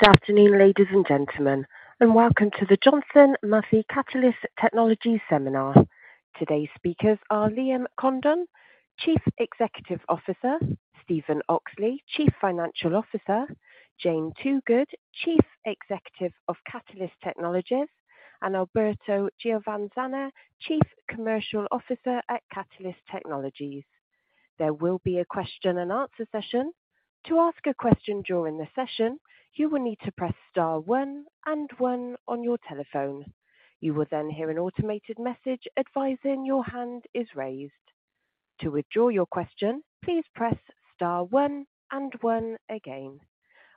Good afternoon, ladies and gentlemen, and welcome to the Johnson Matthey Catalyst Technologies Seminar. Today's speakers are Liam Condon, Chief Executive Officer; Stephen Oxley, Chief Financial Officer; Jane Toogood, Chief Executive of Catalyst Technologies; and Alberto Giovanzana, Chief Commercial Officer at Catalyst Technologies. There will be a question and answer session. To ask a question during the session, you will need to press star one and one on your telephone. You will hear an automated message advising your hand is raised. To withdraw your question, please press star one and one again.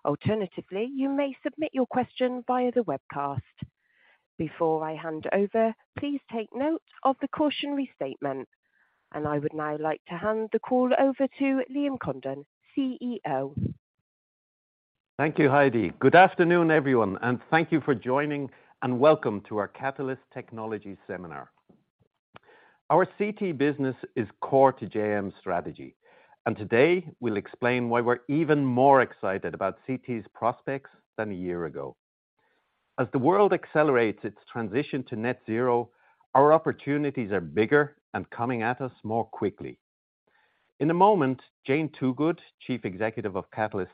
Alternatively, you may submit your question via the webcast. Before I hand over, please take note of the cautionary statement, and I would now like to hand the call over to Liam Condon, CEO. Thank you, Heidi. Good afternoon, everyone, and thank you for joining, and welcome to our Catalyst Technologies Seminar. Our CT business is core to JM strategy, and today we'll explain why we're even more excited about CT's prospects than a year ago. As the world accelerates its transition to net zero, our opportunities are bigger and coming at us more quickly. In a moment, Jane Toogood, Chief Executive of Catalyst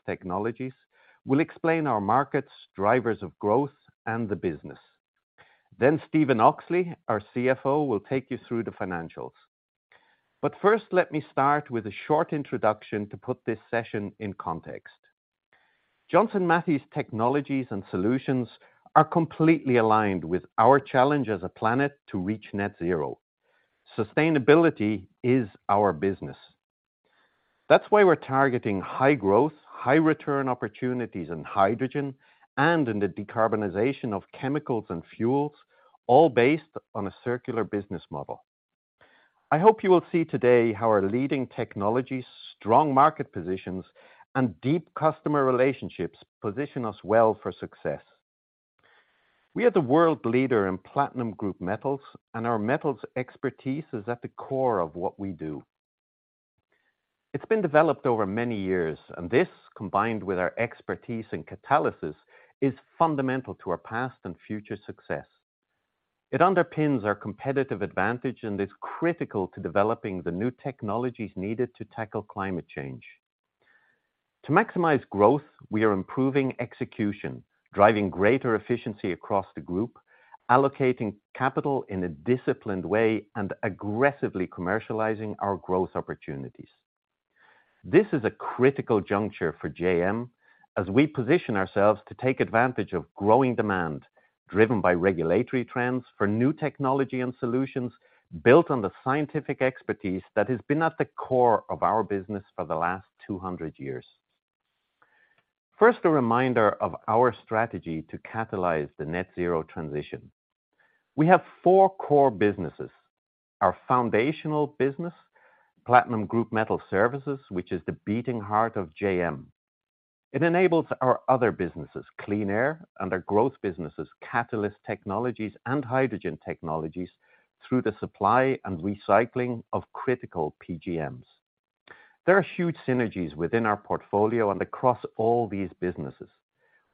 Technologies, will explain our markets, drivers of growth and the business. Stephen Oxley, our CFO, will take you through the financials. First, let me start with a short introduction to put this session in context. Johnson Matthey's technologies and solutions are completely aligned with our challenge as a planet to reach net zero. Sustainability is our business. That's why we're targeting high growth, high return opportunities in hydrogen and in the decarbonization of chemicals and fuels, all based on a circular business model. I hope you will see today how our leading technologies, strong market positions, and deep customer relationships position us well for success. We are the world leader in platinum group metals, and our metals expertise is at the core of what we do. It's been developed over many years. This, combined with our expertise in catalysis, is fundamental to our past and future success. It underpins our competitive advantage and is critical to developing the new technologies needed to tackle climate change. To maximize growth, we are improving execution, driving greater efficiency across the group, allocating capital in a disciplined way, and aggressively commercializing our growth opportunities. This is a critical juncture for JM as we position ourselves to take advantage of growing demand, driven by regulatory trends for new technology and solutions built on the scientific expertise that has been at the core of our business for the last 200 years. First, a reminder of our strategy to catalyze the net zero transition. We have four core businesses. Our foundational business, Platinum Group Metal Services, which is the beating heart of JM. It enables our other businesses, Clean Air, and our growth businesses, Catalyst Technologies and Hydrogen Technologies, through the supply and recycling of critical PGMs. There are huge synergies within our portfolio and across all these businesses.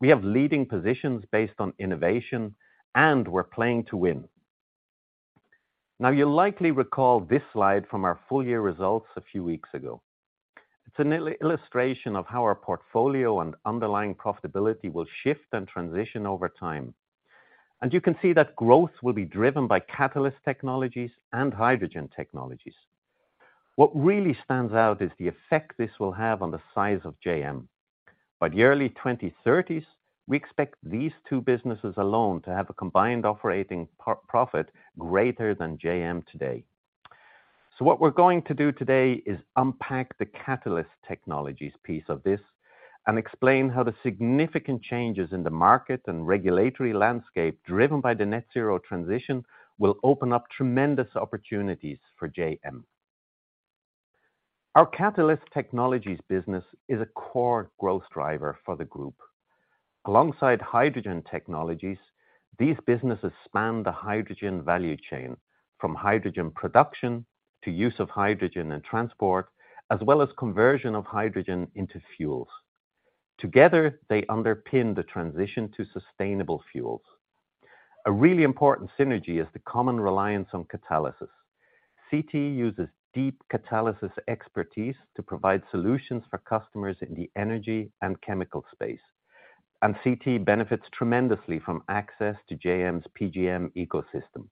We have leading positions based on innovation, and we're playing to win. You'll likely recall this slide from our full year results a few weeks ago. It's an ill-illustration of how our portfolio and underlying profitability will shift and transition over time. You can see that growth will be driven by Catalyst Technologies and Hydrogen Technologies. What really stands out is the effect this will have on the size of JM. By the early 2030s, we expect these two businesses alone to have a combined operating pro-profit greater than JM today. What we're going to do today is unpack the Catalyst Technologies piece of this and explain how the significant changes in the market and regulatory landscape, driven by the net zero transition, will open up tremendous opportunities for JM. Our Catalyst Technologies business is a core growth driver for the group. Alongside Hydrogen Technologies, these businesses span the hydrogen value chain, from hydrogen production to use of hydrogen in transport, as well as conversion of hydrogen into fuels. Together, they underpin the transition to sustainable fuels. A really important synergy is the common reliance on catalysis. CT uses deep catalysis expertise to provide solutions for customers in the energy and chemical space. CT benefits tremendously from access to JM's PGM ecosystem,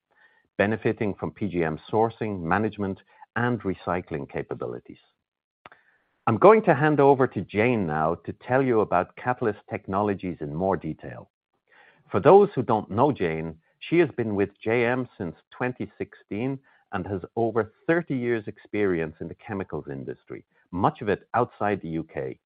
benefiting from PGM sourcing, management, and recycling capabilities. I'm going to hand over to Jane now to tell you about Catalyst Technologies in more detail. For those who don't know Jane, she has been with JM since 2016 and has over 30 years' experience in the chemicals industry, much of it outside the U.K.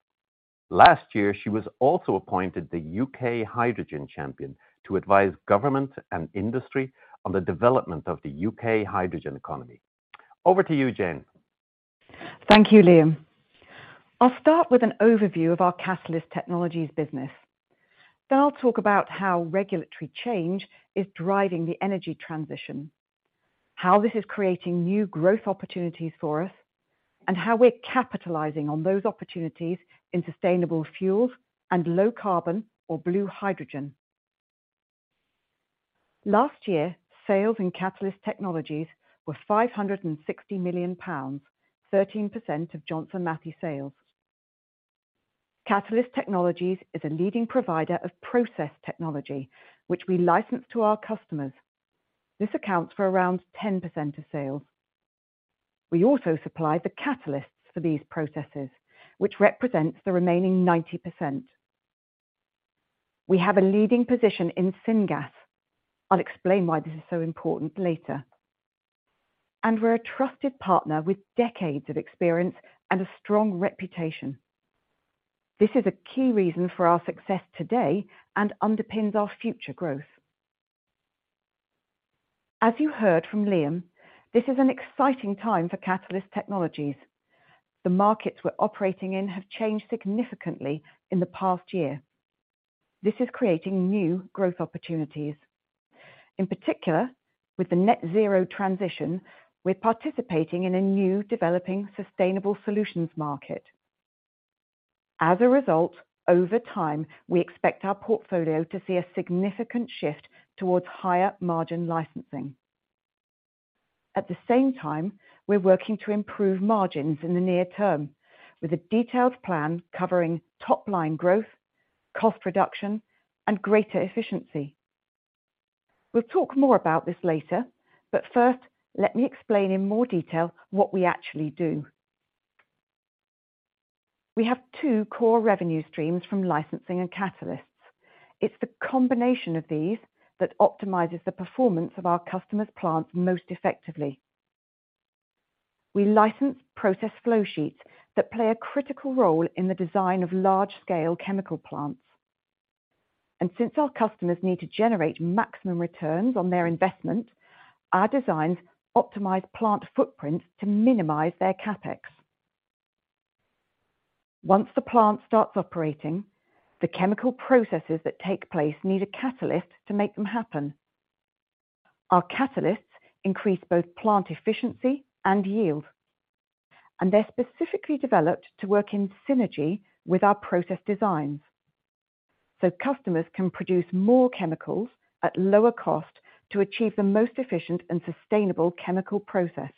Last year, she was also appointed the U.K. Hydrogen Champion to advise government and industry on the development of the U.K. hydrogen economy. Over to you, Jane. Thank you, Liam. I'll start with an overview of our Catalyst Technologies business. I'll talk about how regulatory change is driving the energy transition, how this is creating new growth opportunities for us, and how we're capitalizing on those opportunities in sustainable fuels and low carbon or blue hydrogen. Last year, sales in Catalyst Technologies were 560 million pounds, 13% of Johnson Matthey sales. Catalyst Technologies is a leading provider of process technology, which we license to our customers. This accounts for around 10% of sales. We also supply the catalysts for these processes, which represents the remaining 90%. We have a leading position in syngas. I'll explain why this is so important later. We're a trusted partner with decades of experience and a strong reputation. This is a key reason for our success today and underpins our future growth. As you heard from Liam, this is an exciting time for Catalyst Technologies. The markets we're operating in have changed significantly in the past year. This is creating new growth opportunities. In particular, with the net zero transition, we're participating in a new developing sustainable solutions market. As a result, over time, we expect our portfolio to see a significant shift towards higher margin licensing. At the same time, we're working to improve margins in the near term with a detailed plan covering top-line growth, cost reduction, and greater efficiency. We'll talk more about this later, but first, let me explain in more detail what we actually do. We have two core revenue streams from licensing and catalysts. It's the combination of these that optimizes the performance of our customers' plants most effectively. We license process flow sheets that play a critical role in the design of large-scale chemical plants. Since our customers need to generate maximum returns on their investment, our designs optimize plant footprints to minimize their CapEx. Once the plant starts operating, the chemical processes that take place need a catalyst to make them happen. Our catalysts increase both plant efficiency and yield, and they're specifically developed to work in synergy with our process designs, so customers can produce more chemicals at lower cost to achieve the most efficient and sustainable chemical process.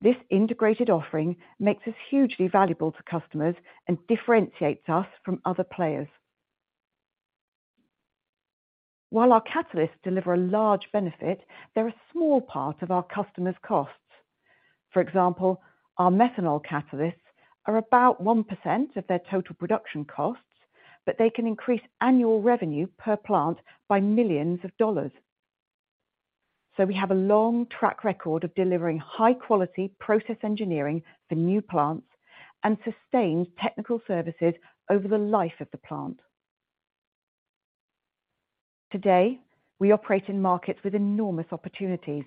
This integrated offering makes us hugely valuable to customers and differentiates us from other players. While our catalysts deliver a large benefit, they're a small part of our customers' costs. For example, our methanol catalysts are about 1% of their total production costs, but they can increase annual revenue per plant by millions of dollars. We have a long track record of delivering high-quality process engineering for new plants and sustained technical services over the life of the plant. Today, we operate in markets with enormous opportunities.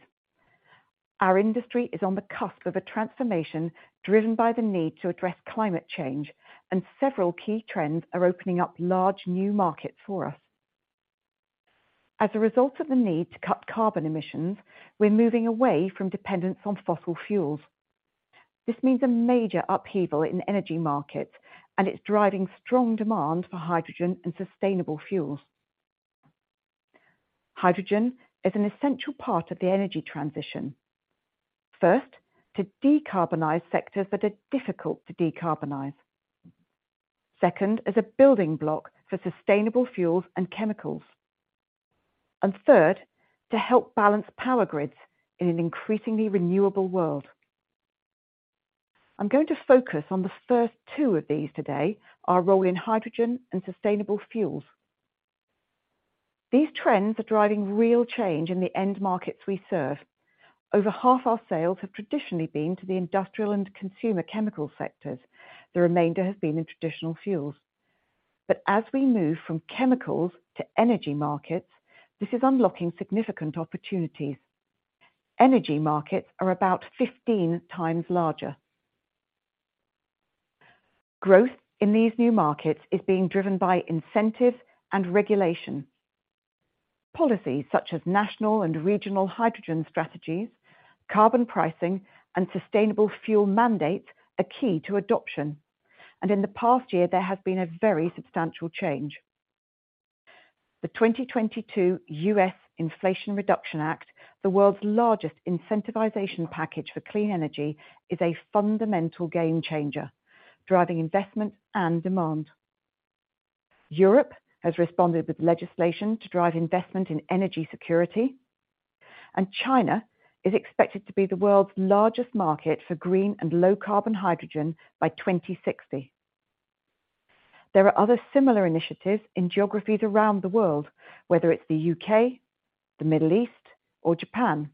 Our industry is on the cusp of a transformation driven by the need to address climate change, and several key trends are opening up large new markets for us. As a result of the need to cut carbon emissions, we're moving away from dependence on fossil fuels. This means a major upheaval in energy markets, and it's driving strong demand for hydrogen and sustainable fuels. Hydrogen is an essential part of the energy transition. First, to decarbonize sectors that are difficult to decarbonize. Second, as a building block for sustainable fuels and chemicals. Third, to help balance power grids in an increasingly renewable world. I'm going to focus on the first two of these today, our role in hydrogen and sustainable fuels. These trends are driving real change in the end markets we serve. Over half our sales have traditionally been to the industrial and consumer chemical sectors. The remainder has been in traditional fuels. As we move from chemicals to energy markets, this is unlocking significant opportunities. Energy markets are about 15x larger. Growth in these new markets is being driven by incentive and regulation. Policies such as national and regional hydrogen strategies, carbon pricing, and sustainable fuel mandates are key to adoption, and in the past year, there has been a very substantial change. The 2022 U.S. Inflation Reduction Act, the world's largest incentivization package for clean energy, is a fundamental game changer, driving investment and demand. Europe has responded with legislation to drive investment in energy security, and China is expected to be the world's largest market for green and low-carbon hydrogen by 2060. There are other similar initiatives in geographies around the world, whether it's the U.K., the Middle East, or Japan.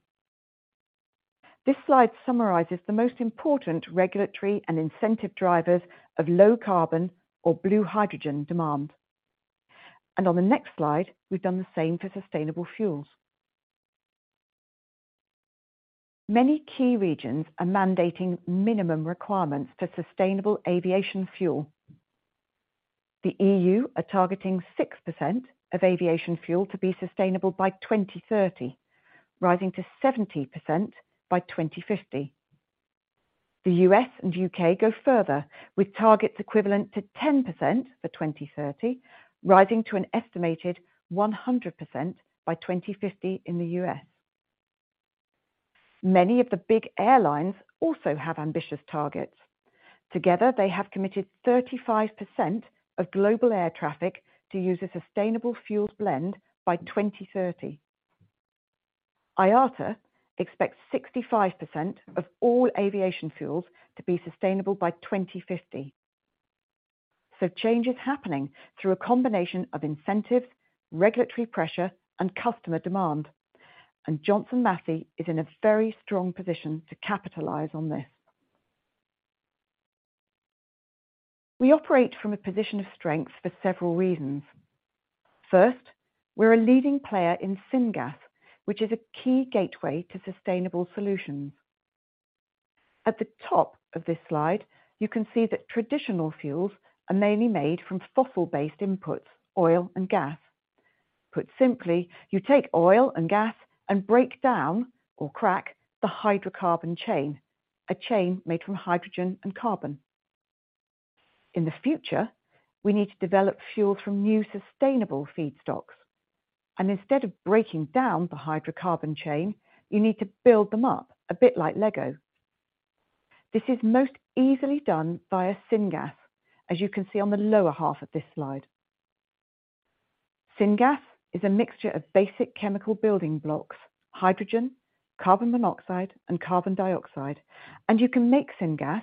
On the next slide, we've done the same for sustainable fuels. Many key regions are mandating minimum requirements for sustainable aviation fuel. The EU are targeting 6% of aviation fuel to be sustainable by 2030, rising to 70% by 2050. The U.S. and U.K. go further, with targets equivalent to 10% for 2030, rising to an estimated 100% by 2050 in the U.S. Many of the big airlines also have ambitious targets. Together, they have committed 35% of global air traffic to use a sustainable fuels blend by 2030. IATA expects 65% of all aviation fuels to be sustainable by 2050. Change is happening through a combination of incentives, regulatory pressure, and customer demand, and Johnson Matthey is in a very strong position to capitalize on this. We operate from a position of strength for several reasons. First, we're a leading player in syngas, which is a key gateway to sustainable solutions. At the top of this slide, you can see that traditional fuels are mainly made from fossil-based inputs, oil and gas. Put simply, you take oil and gas and break down or crack the hydrocarbon chain, a chain made from hydrogen and carbon. In the future, we need to develop fuels from new sustainable feedstocks, and instead of breaking down the hydrocarbon chain, you need to build them up, a bit like Lego. This is most easily done via syngas, as you can see on the lower half of this slide. Syngas is a mixture of basic chemical building blocks: hydrogen, carbon monoxide, and carbon dioxide. You can make syngas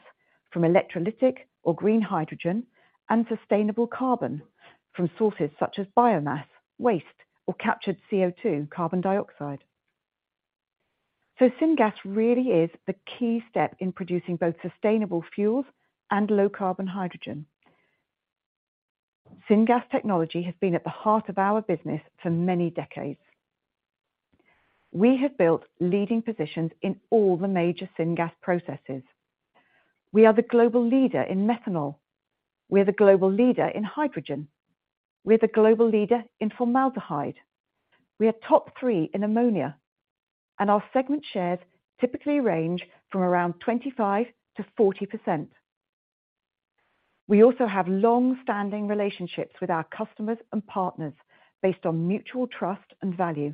from electrolytic or green hydrogen and sustainable carbon from sources such as biomass, waste, or captured CO₂, carbon dioxide. Syngas really is the key step in producing both sustainable fuels and low-carbon hydrogen. Syngas technology has been at the heart of our business for many decades. We have built leading positions in all the major syngas processes. We are the global leader in methanol. We are the global leader in hydrogen. We are the global leader in formaldehyde. We are top three in ammonia, and our segment shares typically range from around 25%-40%. We also have long-standing relationships with our customers and partners based on mutual trust and value.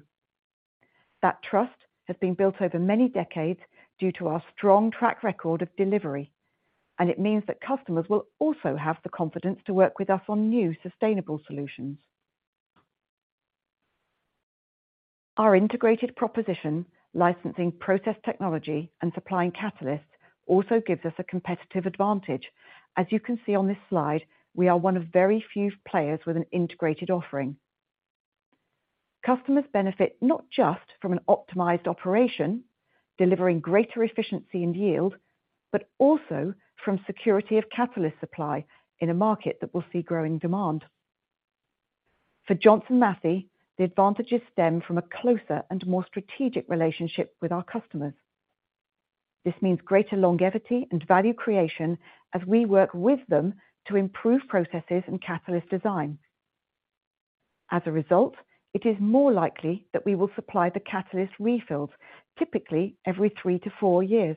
That trust has been built over many decades due to our strong track record of delivery, and it means that customers will also have the confidence to work with us on new sustainable solutions. Our integrated proposition, licensing process technology, and supplying catalysts also gives us a competitive advantage. As you can see on this slide, we are one of very few players with an integrated offering. Customers benefit not just from an optimized operation, delivering greater efficiency and yield, but also from security of catalyst supply in a market that will see growing demand. For Johnson Matthey, the advantages stem from a closer and more strategic relationship with our customers. This means greater longevity and value creation as we work with them to improve processes and catalyst design. As a result, it is more likely that we will supply the catalyst refills, typically every three to four years.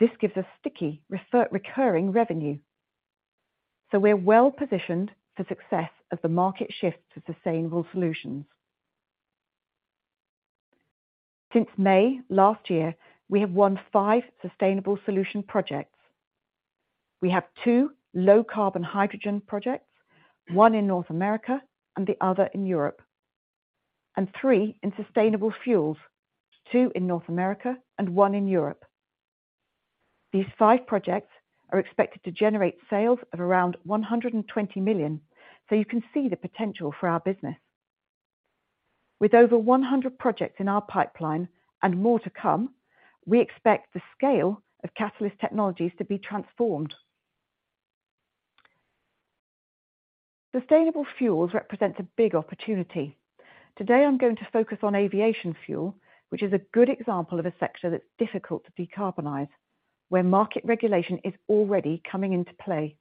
This gives us sticky recurring revenue. We're well-positioned for success as the market shifts to sustainable solutions. Since May last year, we have won five sustainable solution projects. We have two low-carbon hydrogen projects, one in North America and the other in Europe, and three in sustainable fuels, two in North America and one in Europe. These five projects are expected to generate sales of around 120 million. You can see the potential for our business. With over 100 projects in our pipeline and more to come, we expect the scale of Catalyst Technologies to be transformed. Sustainable fuels represents a big opportunity. Today, I'm going to focus on aviation fuel, which is a good example of a sector that's difficult to decarbonize, where market regulation is already coming into play.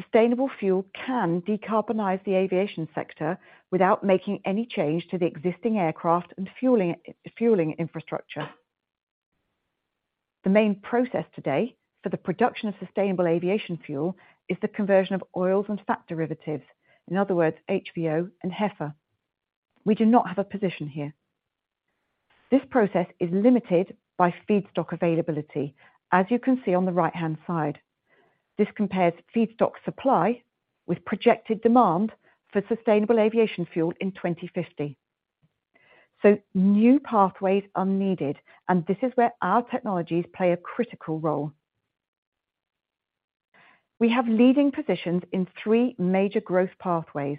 Sustainable fuel can decarbonize the aviation sector without making any change to the existing aircraft and fueling infrastructure. The main process today for the production of sustainable aviation fuel is the conversion of oils and fat derivatives, in other words, HVO and HEFA. We do not have a position here. This process is limited by feedstock availability, as you can see on the right-hand side. This compares feedstock supply with projected demand for sustainable aviation fuel in 2050. New pathways are needed, and this is where our technologies play a critical role. We have leading positions in three major growth pathways.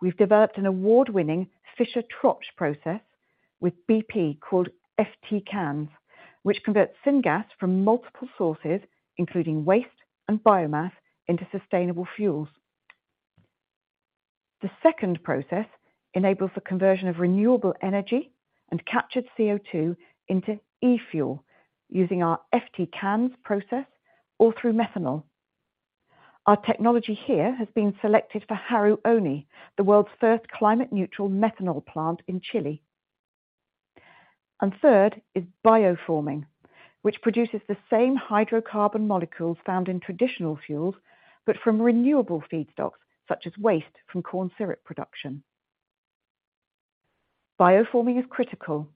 We've developed an award-winning Fischer-Tropsch process with bp called FT CANS, which converts syngas from multiple sources, including waste and biomass, into sustainable fuels. The second process enables the conversion of renewable energy and captured CO₂ into e-fuel, using our FT CANS process or through methanol. Our technology here has been selected for Haru Oni, the world's first climate neutral methanol plant in Chile. Third is BioForming, which produces the same hydrocarbon molecules found in traditional fuels, but from renewable feedstocks, such as waste from corn syrup production. BioForming is critical.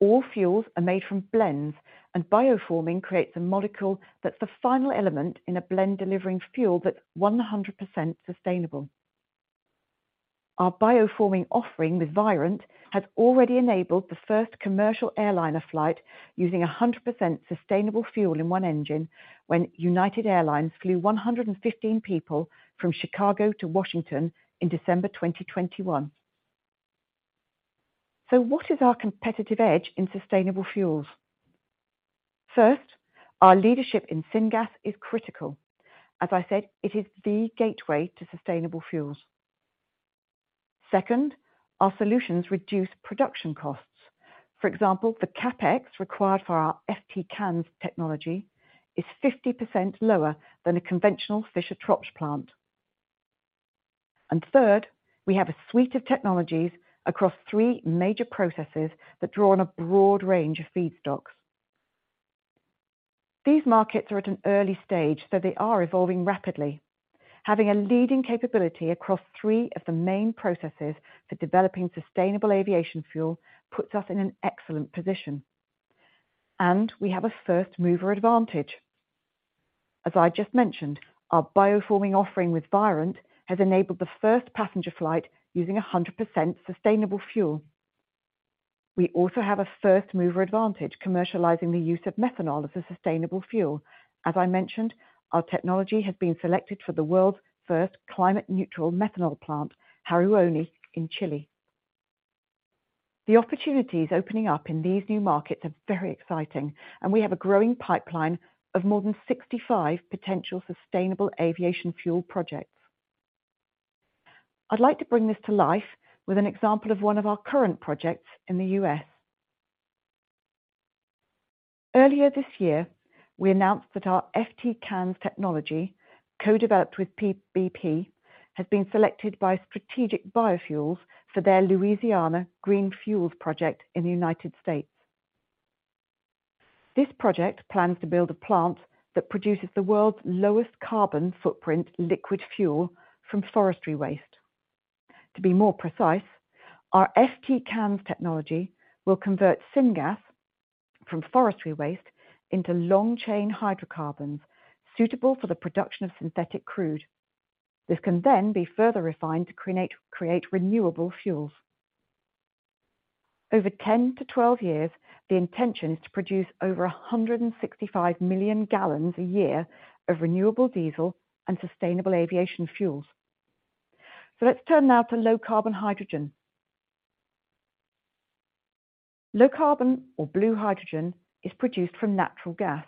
All fuels are made from blends, and BioForming creates a molecule that's the final element in a blend, delivering fuel that's 100% sustainable. Our BioForming offering with Virent has already enabled the first commercial airliner flight, using 100% sustainable fuel in one engine when United Airlines flew 115 people from Chicago to Washington in December 2021. What is our competitive edge in sustainable fuels? First, our leadership in syngas is critical. As I said, it is the gateway to sustainable fuels. Second, our solutions reduce production costs. For example, the CapEx required for our FT CANS technology is 50% lower than a conventional Fischer-Tropsch plant. Third, we have a suite of technologies across three major processes that draw on a broad range of feedstocks. These markets are at an early stage, so they are evolving rapidly. Having a leading capability across three of the main processes for developing sustainable aviation fuel, puts us in an excellent position, and we have a first mover advantage. As I just mentioned, our BioForming offering with Virent has enabled the first passenger flight using a 100% sustainable fuel. We also have a first mover advantage, commercializing the use of methanol as a sustainable fuel. As I mentioned, our technology has been selected for the world's first climate-neutral methanol plant, Haru Oni, in Chile. The opportunities opening up in these new markets are very exciting, and we have a growing pipeline of more than 65 potential sustainable aviation fuel projects. I'd like to bring this to life with an example of one of our current projects in the U.S. Earlier this year, we announced that our FT CANS technology, co-developed with bp, has been selected by Strategic Biofuels for their Louisiana Green Fuels project in the United States. This project plans to build a plant that produces the world's lowest carbon footprint, liquid fuel from forestry waste. To be more precise, our FT CANS technology will convert syngas from forestry waste into long-chain hydrocarbons, suitable for the production of synthetic crude. This can then be further refined to create renewable fuels. Over 10-12 years, the intention is to produce over 165 million gallons a year of renewable diesel and sustainable aviation fuels. Let's turn now to low carbon hydrogen. Low carbon or blue hydrogen is produced from natural gas.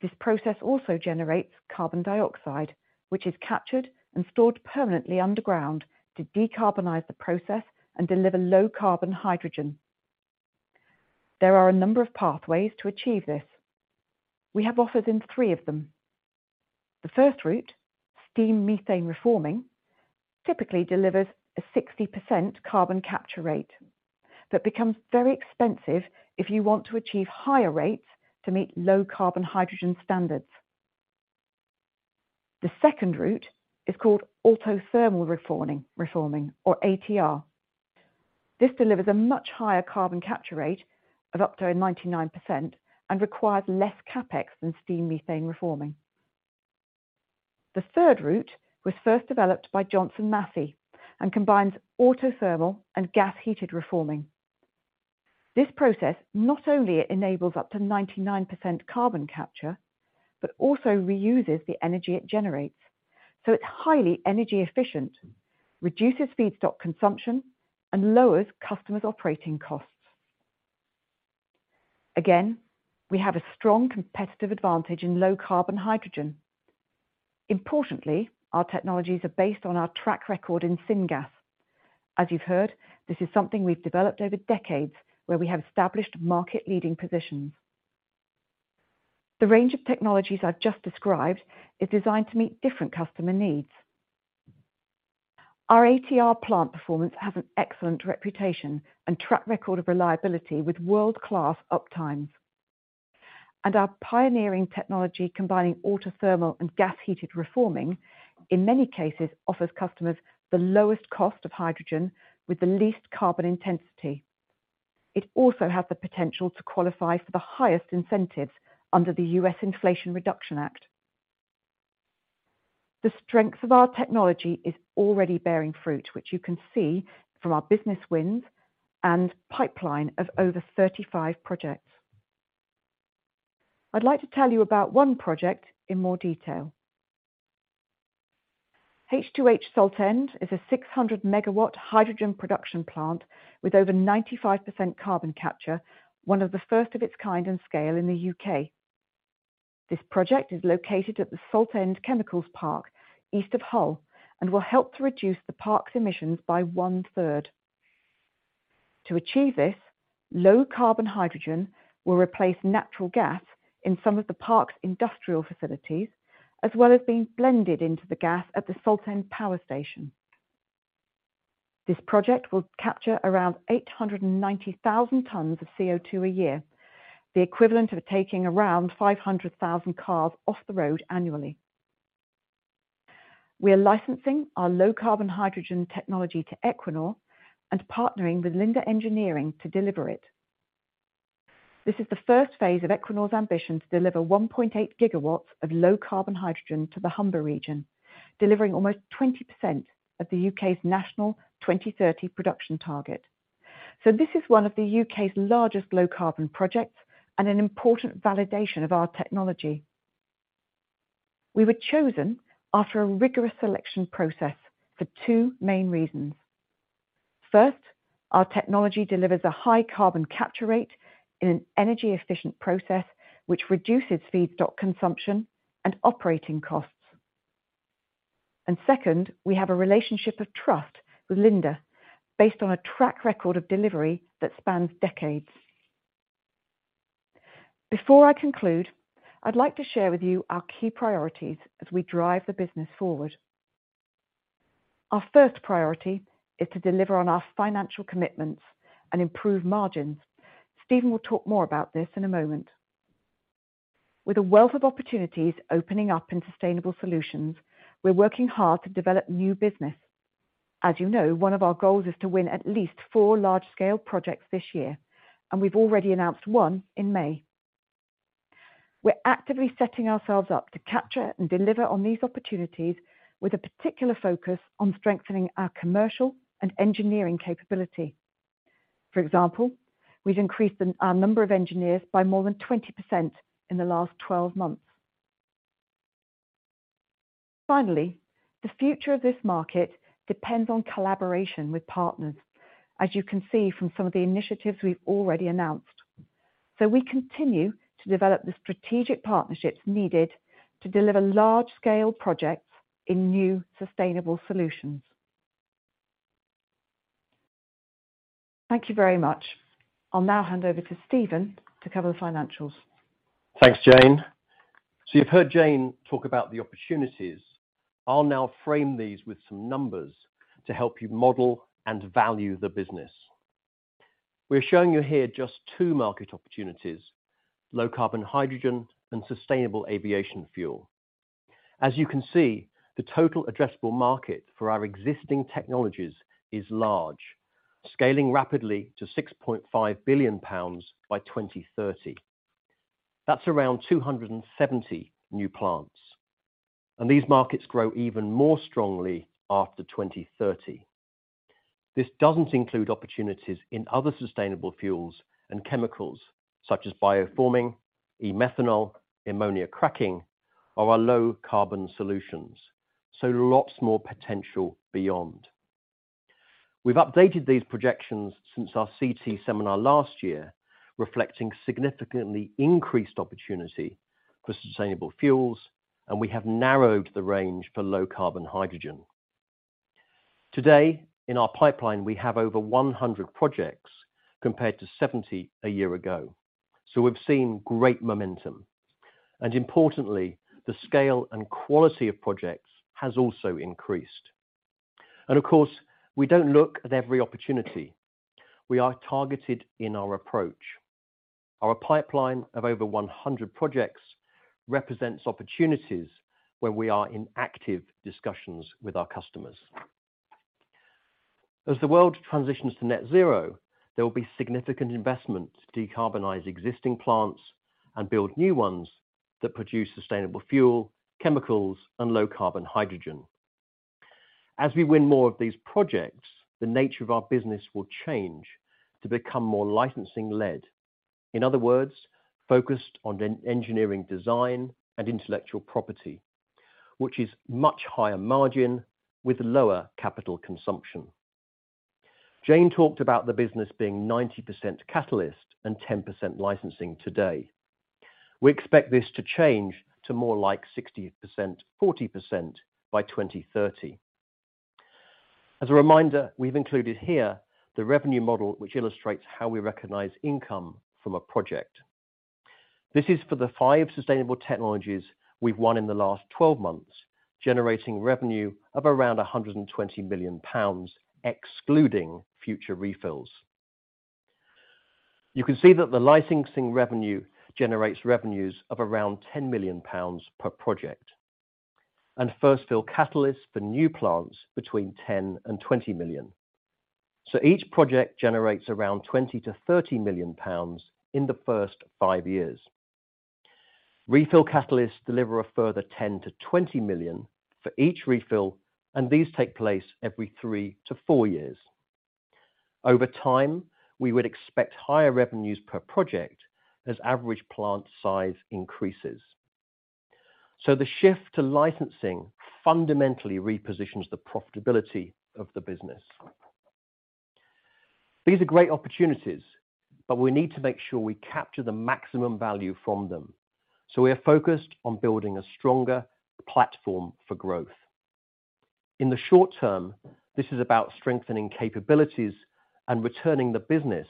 This process also generates carbon dioxide, which is captured and stored permanently underground to decarbonize the process and deliver low carbon hydrogen. There are a number of pathways to achieve this. We have offered in three of them. The first route, steam methane reforming, typically delivers a 60% carbon capture rate, but becomes very expensive if you want to achieve higher rates to meet low carbon hydrogen standards. The second route is called autothermal reforming or ATR. This delivers a much higher carbon capture rate of up to 99% and requires less CapEx than steam methane reforming. The third route was first developed by Johnson Matthey and combines autothermal and gas heated reforming. This process not only enables up to 99% carbon capture, but also reuses the energy it generates, so it's highly energy efficient, reduces feedstock consumption, and lowers customers operating costs. Again, we have a strong competitive advantage in low carbon hydrogen. Importantly, our technologies are based on our track record in syngas. As you've heard, this is something we've developed over decades, where we have established market-leading positions. The range of technologies I've just described is designed to meet different customer needs. Our ATR plant performance has an excellent reputation and track record of reliability, with world-class uptimes. Our pioneering technology, combining autothermal and gas heated reforming, in many cases, offers customers the lowest cost of hydrogen with the least carbon intensity. It also has the potential to qualify for the highest incentives under the U.S. Inflation Reduction Act. The strength of our technology is already bearing fruit, which you can see from our business wins and pipeline of over 35 projects. I'd like to tell you about one project in more detail. H2H Saltend is a 600 MW hydrogen production plant with over 95% carbon capture, one of the first of its kind and scale in the U.K. This project is located at the Saltend Chemicals Park, east of Hull, and will help to reduce the park's emissions by 1/3. To achieve this, low-carbon hydrogen will replace natural gas in some of the park's industrial facilities, as well as being blended into the gas at the Saltend Power Station. This project will capture around 890,000 tons of CO2 a year, the equivalent of taking around 500,000 cars off the road annually. We are licensing our low-carbon hydrogen technology to Equinor and partnering with Linde Engineering to deliver it. This is the first phase of Equinor's ambition to deliver 1.8 GW of low-carbon hydrogen to the Humber region, delivering almost 20% of the U.K.'s national 2030 production target. This is one of the U.K.'s largest low-carbon projects and an important validation of our technology. We were chosen after a rigorous selection process for two main reasons. First, our technology delivers a high carbon capture rate in an energy-efficient process, which reduces feedstock consumption and operating costs. Second, we have a relationship of trust with Linde, based on a track record of delivery that spans decades. Before I conclude, I'd like to share with you our key priorities as we drive the business forward. Our first priority is to deliver on our financial commitments and improve margins. Stephen will talk more about this in a moment. With a wealth of opportunities opening up in sustainable solutions, we're working hard to develop new business. As you know, one of our goals is to win at least four large-scale projects this year, and we've already announced one in May. We're actively setting ourselves up to capture and deliver on these opportunities, with a particular focus on strengthening our commercial and engineering capability. For example, we've increased our number of engineers by more than 20% in the last 12 months. Finally, the future of this market depends on collaboration with partners, as you can see from some of the initiatives we've already announced. We continue to develop the strategic partnerships needed to deliver large-scale projects in new sustainable solutions. Thank you very much. I'll now hand over to Stephen to cover the financials. Thanks, Jane. You've heard Jane talk about the opportunities. I'll now frame these with some numbers to help you model and value the business. We're showing you here just two market opportunities: low-carbon hydrogen and sustainable aviation fuel. As you can see, the total addressable market for our existing technologies is large, scaling rapidly to 6.5 billion pounds by 2030. That's around 270 new plants, and these markets grow even more strongly after 2030. This doesn't include opportunities in other sustainable fuels and chemicals, such as BioForming, e-methanol, ammonia cracking, or our low-carbon solutions, so lots more potential beyond. We've updated these projections since our CT seminar last year, reflecting significantly increased opportunity for sustainable fuels, and we have narrowed the range for low-carbon hydrogen. Today, in our pipeline, we have over 100 projects, compared to 70 a year ago, so we've seen great momentum. Importantly, the scale and quality of projects has also increased. Of course, we don't look at every opportunity. We are targeted in our approach. Our pipeline of over 100 projects represents opportunities where we are in active discussions with our customers. As the world transitions to net zero, there will be significant investment to decarbonize existing plants and build new ones that produce sustainable fuel, chemicals, and low-carbon hydrogen. As we win more of these projects, the nature of our business will change to become more licensing-led. In other words, focused on engineering, design, and intellectual property, which is much higher margin with lower capital consumption. Jane talked about the business being 90% catalyst and 10% licensing today. We expect this to change to more like 60%, 40% by 2030. As a reminder, we've included here the revenue model, which illustrates how we recognize income from a project. This is for the five sustainable technologies we've won in the last 12 months, generating revenue of around 120 million pounds, excluding future refills. You can see that the licensing revenue generates revenues of around 10 million pounds per project, and first-fill catalysts for new plants between 10 million and 20 million. Each project generates around 20 million-30 million pounds in the first five years. Refill catalysts deliver a further 10 million-20 million for each refill, and these take place every three to four years. Over time, we would expect higher revenues per project as average plant size increases. The shift to licensing fundamentally repositions the profitability of the business. These are great opportunities. We need to make sure we capture the maximum value from them. We are focused on building a stronger platform for growth. In the short term, this is about strengthening capabilities and returning the business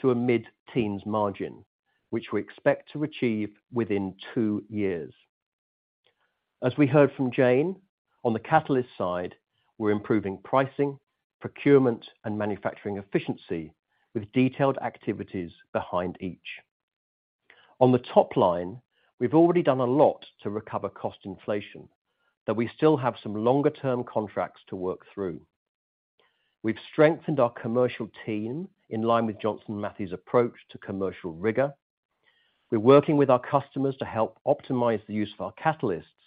to a mid-teens margin, which we expect to achieve within two years. As we heard from Jane, on the catalyst side, we're improving pricing, procurement, and manufacturing efficiency, with detailed activities behind each. On the top line, we've already done a lot to recover cost inflation, but we still have some longer-term contracts to work through. We've strengthened our commercial team in line with Johnson Matthey's approach to commercial rigor. We're working with our customers to help optimize the use of our catalysts to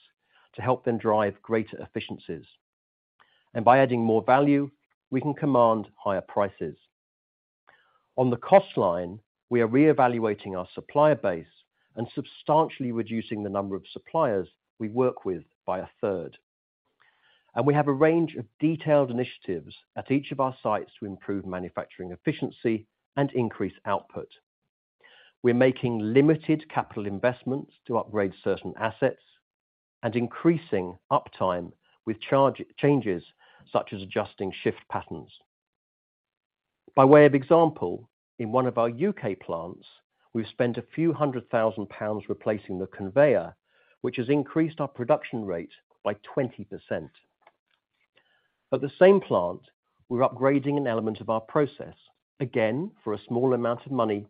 help them drive greater efficiencies, and by adding more value, we can command higher prices. On the cost line, we are re-evaluating our supplier base and substantially reducing the number of suppliers we work with by a third. We have a range of detailed initiatives at each of our sites to improve manufacturing efficiency and increase output. We're making limited capital investments to upgrade certain assets and increasing uptime with changes such as adjusting shift patterns. By way of example, in one of our U.K. plants, we've spent a few hundred thousand pounds replacing the conveyor, which has increased our production rate by 20%. At the same plant, we're upgrading an element of our process, again, for a small amount of money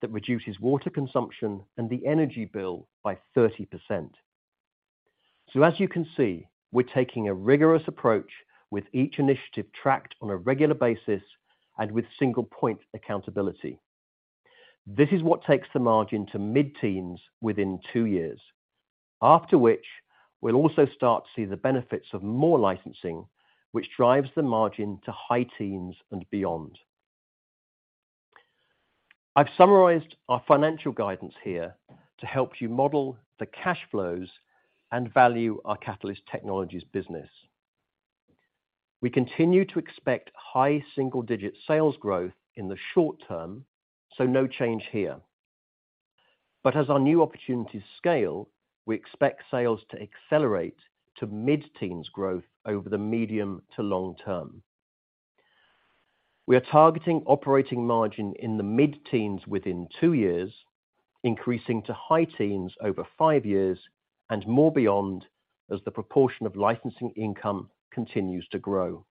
that reduces water consumption and the energy bill by 30%. As you can see, we're taking a rigorous approach with each initiative tracked on a regular basis and with single point accountability. This is what takes the margin to mid-teens within two years. After which, we'll also start to see the benefits of more licensing, which drives the margin to high teens and beyond. I've summarized our financial guidance here to help you model the cash flows and value our Catalyst Technologies business. We continue to expect high single-digit sales growth in the short term, so no change here. As our new opportunities scale, we expect sales to accelerate to mid-teens growth over the medium to long term. We are targeting operating margin in the mid-teens within two years, increasing to high teens over five years, and more beyond as the proportion of licensing income continues to grow.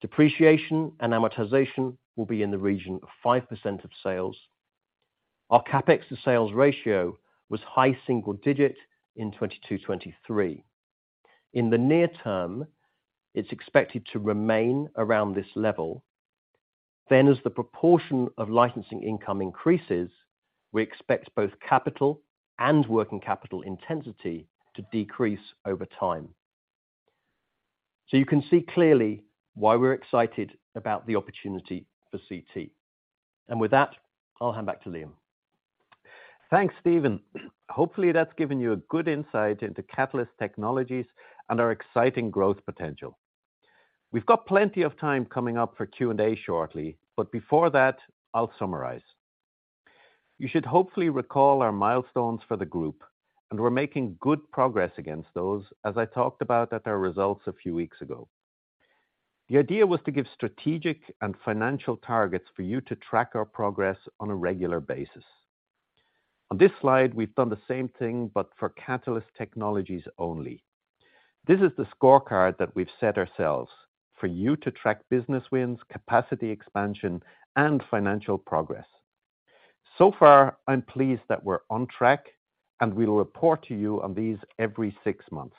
Depreciation and amortization will be in the region of 5% of sales. Our CapEx to sales ratio was high single digit in 2022-2023. In the near term, it's expected to remain around this level. As the proportion of licensing income increases, we expect both capital and working capital intensity to decrease over time. You can see clearly why we're excited about the opportunity for CT. With that, I'll hand back to Liam. Thanks, Stephen. Hopefully, that's given you a good insight into Catalyst Technologies and our exciting growth potential. We've got plenty of time coming up for Q&A shortly, but before that, I'll summarize. You should hopefully recall our milestones for the group, and we're making good progress against those, as I talked about at our results a few weeks ago. The idea was to give strategic and financial targets for you to track our progress on a regular basis. On this slide, we've done the same thing, but for Catalyst Technologies only. This is the scorecard that we've set ourselves for you to track business wins, capacity expansion, and financial progress. So far, I'm pleased that we're on track, and we will report to you on these every six months.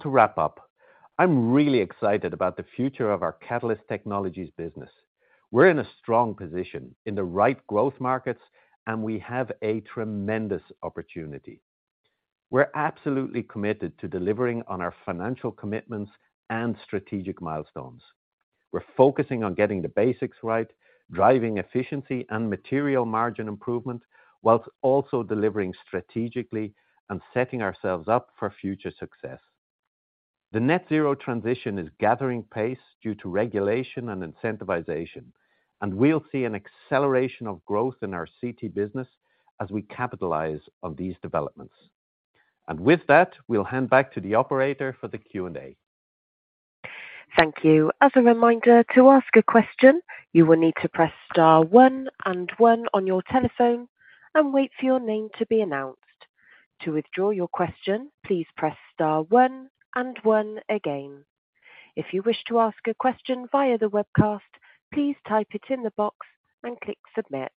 To wrap up, I'm really excited about the future of our Catalyst Technologies business. We're in a strong position in the right growth markets, and we have a tremendous opportunity. We're absolutely committed to delivering on our financial commitments and strategic milestones. We're focusing on getting the basics right, driving efficiency and material margin improvement, while also delivering strategically and setting ourselves up for future success. The net zero transition is gathering pace due to regulation and incentivization, and we'll see an acceleration of growth in our CT business as we capitalize on these developments. With that, we'll hand back to the operator for the Q&A. Thank you. As a reminder, to ask a question, you will need to press star one and one on your telephone and wait for your name to be announced. To withdraw your question, please press star one and one again. If you wish to ask a question via the webcast, please type it in the box and click submit.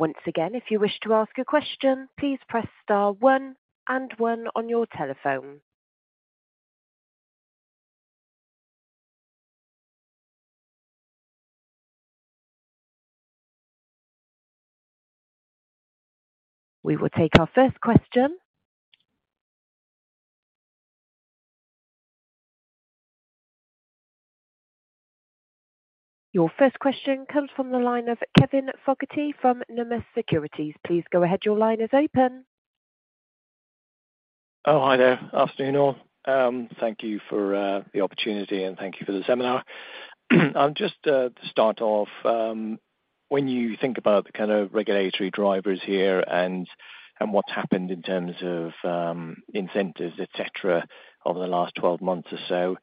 Once again, if you wish to ask a question, please press star one and one on your telephone. We will take our first question. Your first question comes from the line of Kevin Fogarty from Numis Securities. Please go ahead. Your line is open. Oh, hi there. Afternoon, all. Thank you for the opportunity, and thank you for the seminar. Just to start off, when you think about the kind of regulatory drivers here and what's happened in terms of incentives, et cetera, over the last 12 months or so,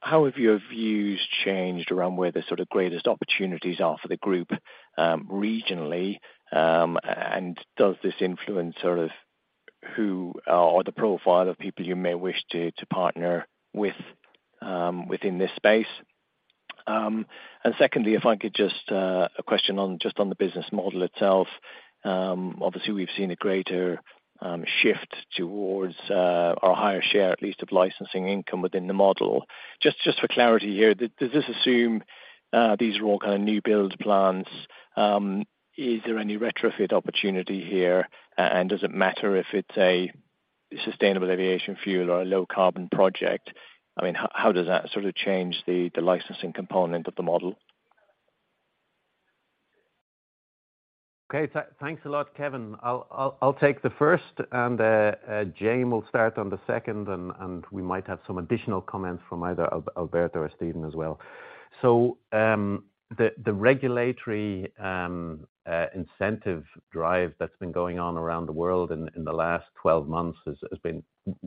how have your views changed around where the sort of greatest opportunities are for the group, regionally? Does this influence sort of who, or the profile of people you may wish to partner with, within this space? Secondly, if I could just a question on, just on the business model itself. Obviously, we've seen a greater shift towards, or higher share, at least, of licensing income within the model. Just for clarity here, does this assume these are all kind of new build plans? Is there any retrofit opportunity here, and does it matter if it's a sustainable aviation fuel or a low carbon project? I mean, how does that sort of change the licensing component of the model? Okay, thanks a lot, Kevin. I'll take the first, and Jane will start on the second, and we might have some additional comments from either Alberto or Stephen as well. The regulatory incentive drive that's been going on around the world in the last 12 months has been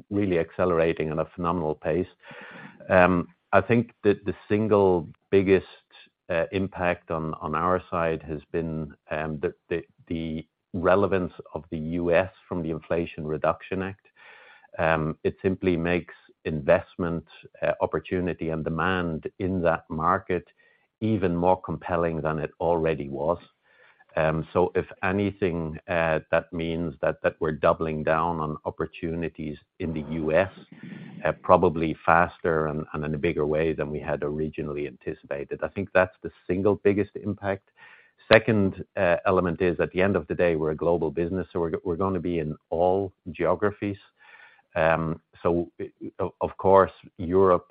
really accelerating at a phenomenal pace. I think that the single biggest impact on our side has been the relevance of the U.S. from the Inflation Reduction Act. It simply makes investment opportunity and demand in that market even more compelling than it already was. If anything, that means that we're doubling down on opportunities in the U.S. probably faster and in a bigger way than we had originally anticipated. I think that's the single biggest impact. Second, element is, at the end of the day, we're a global business, so we're gonna be in all geographies. Of course, Europe,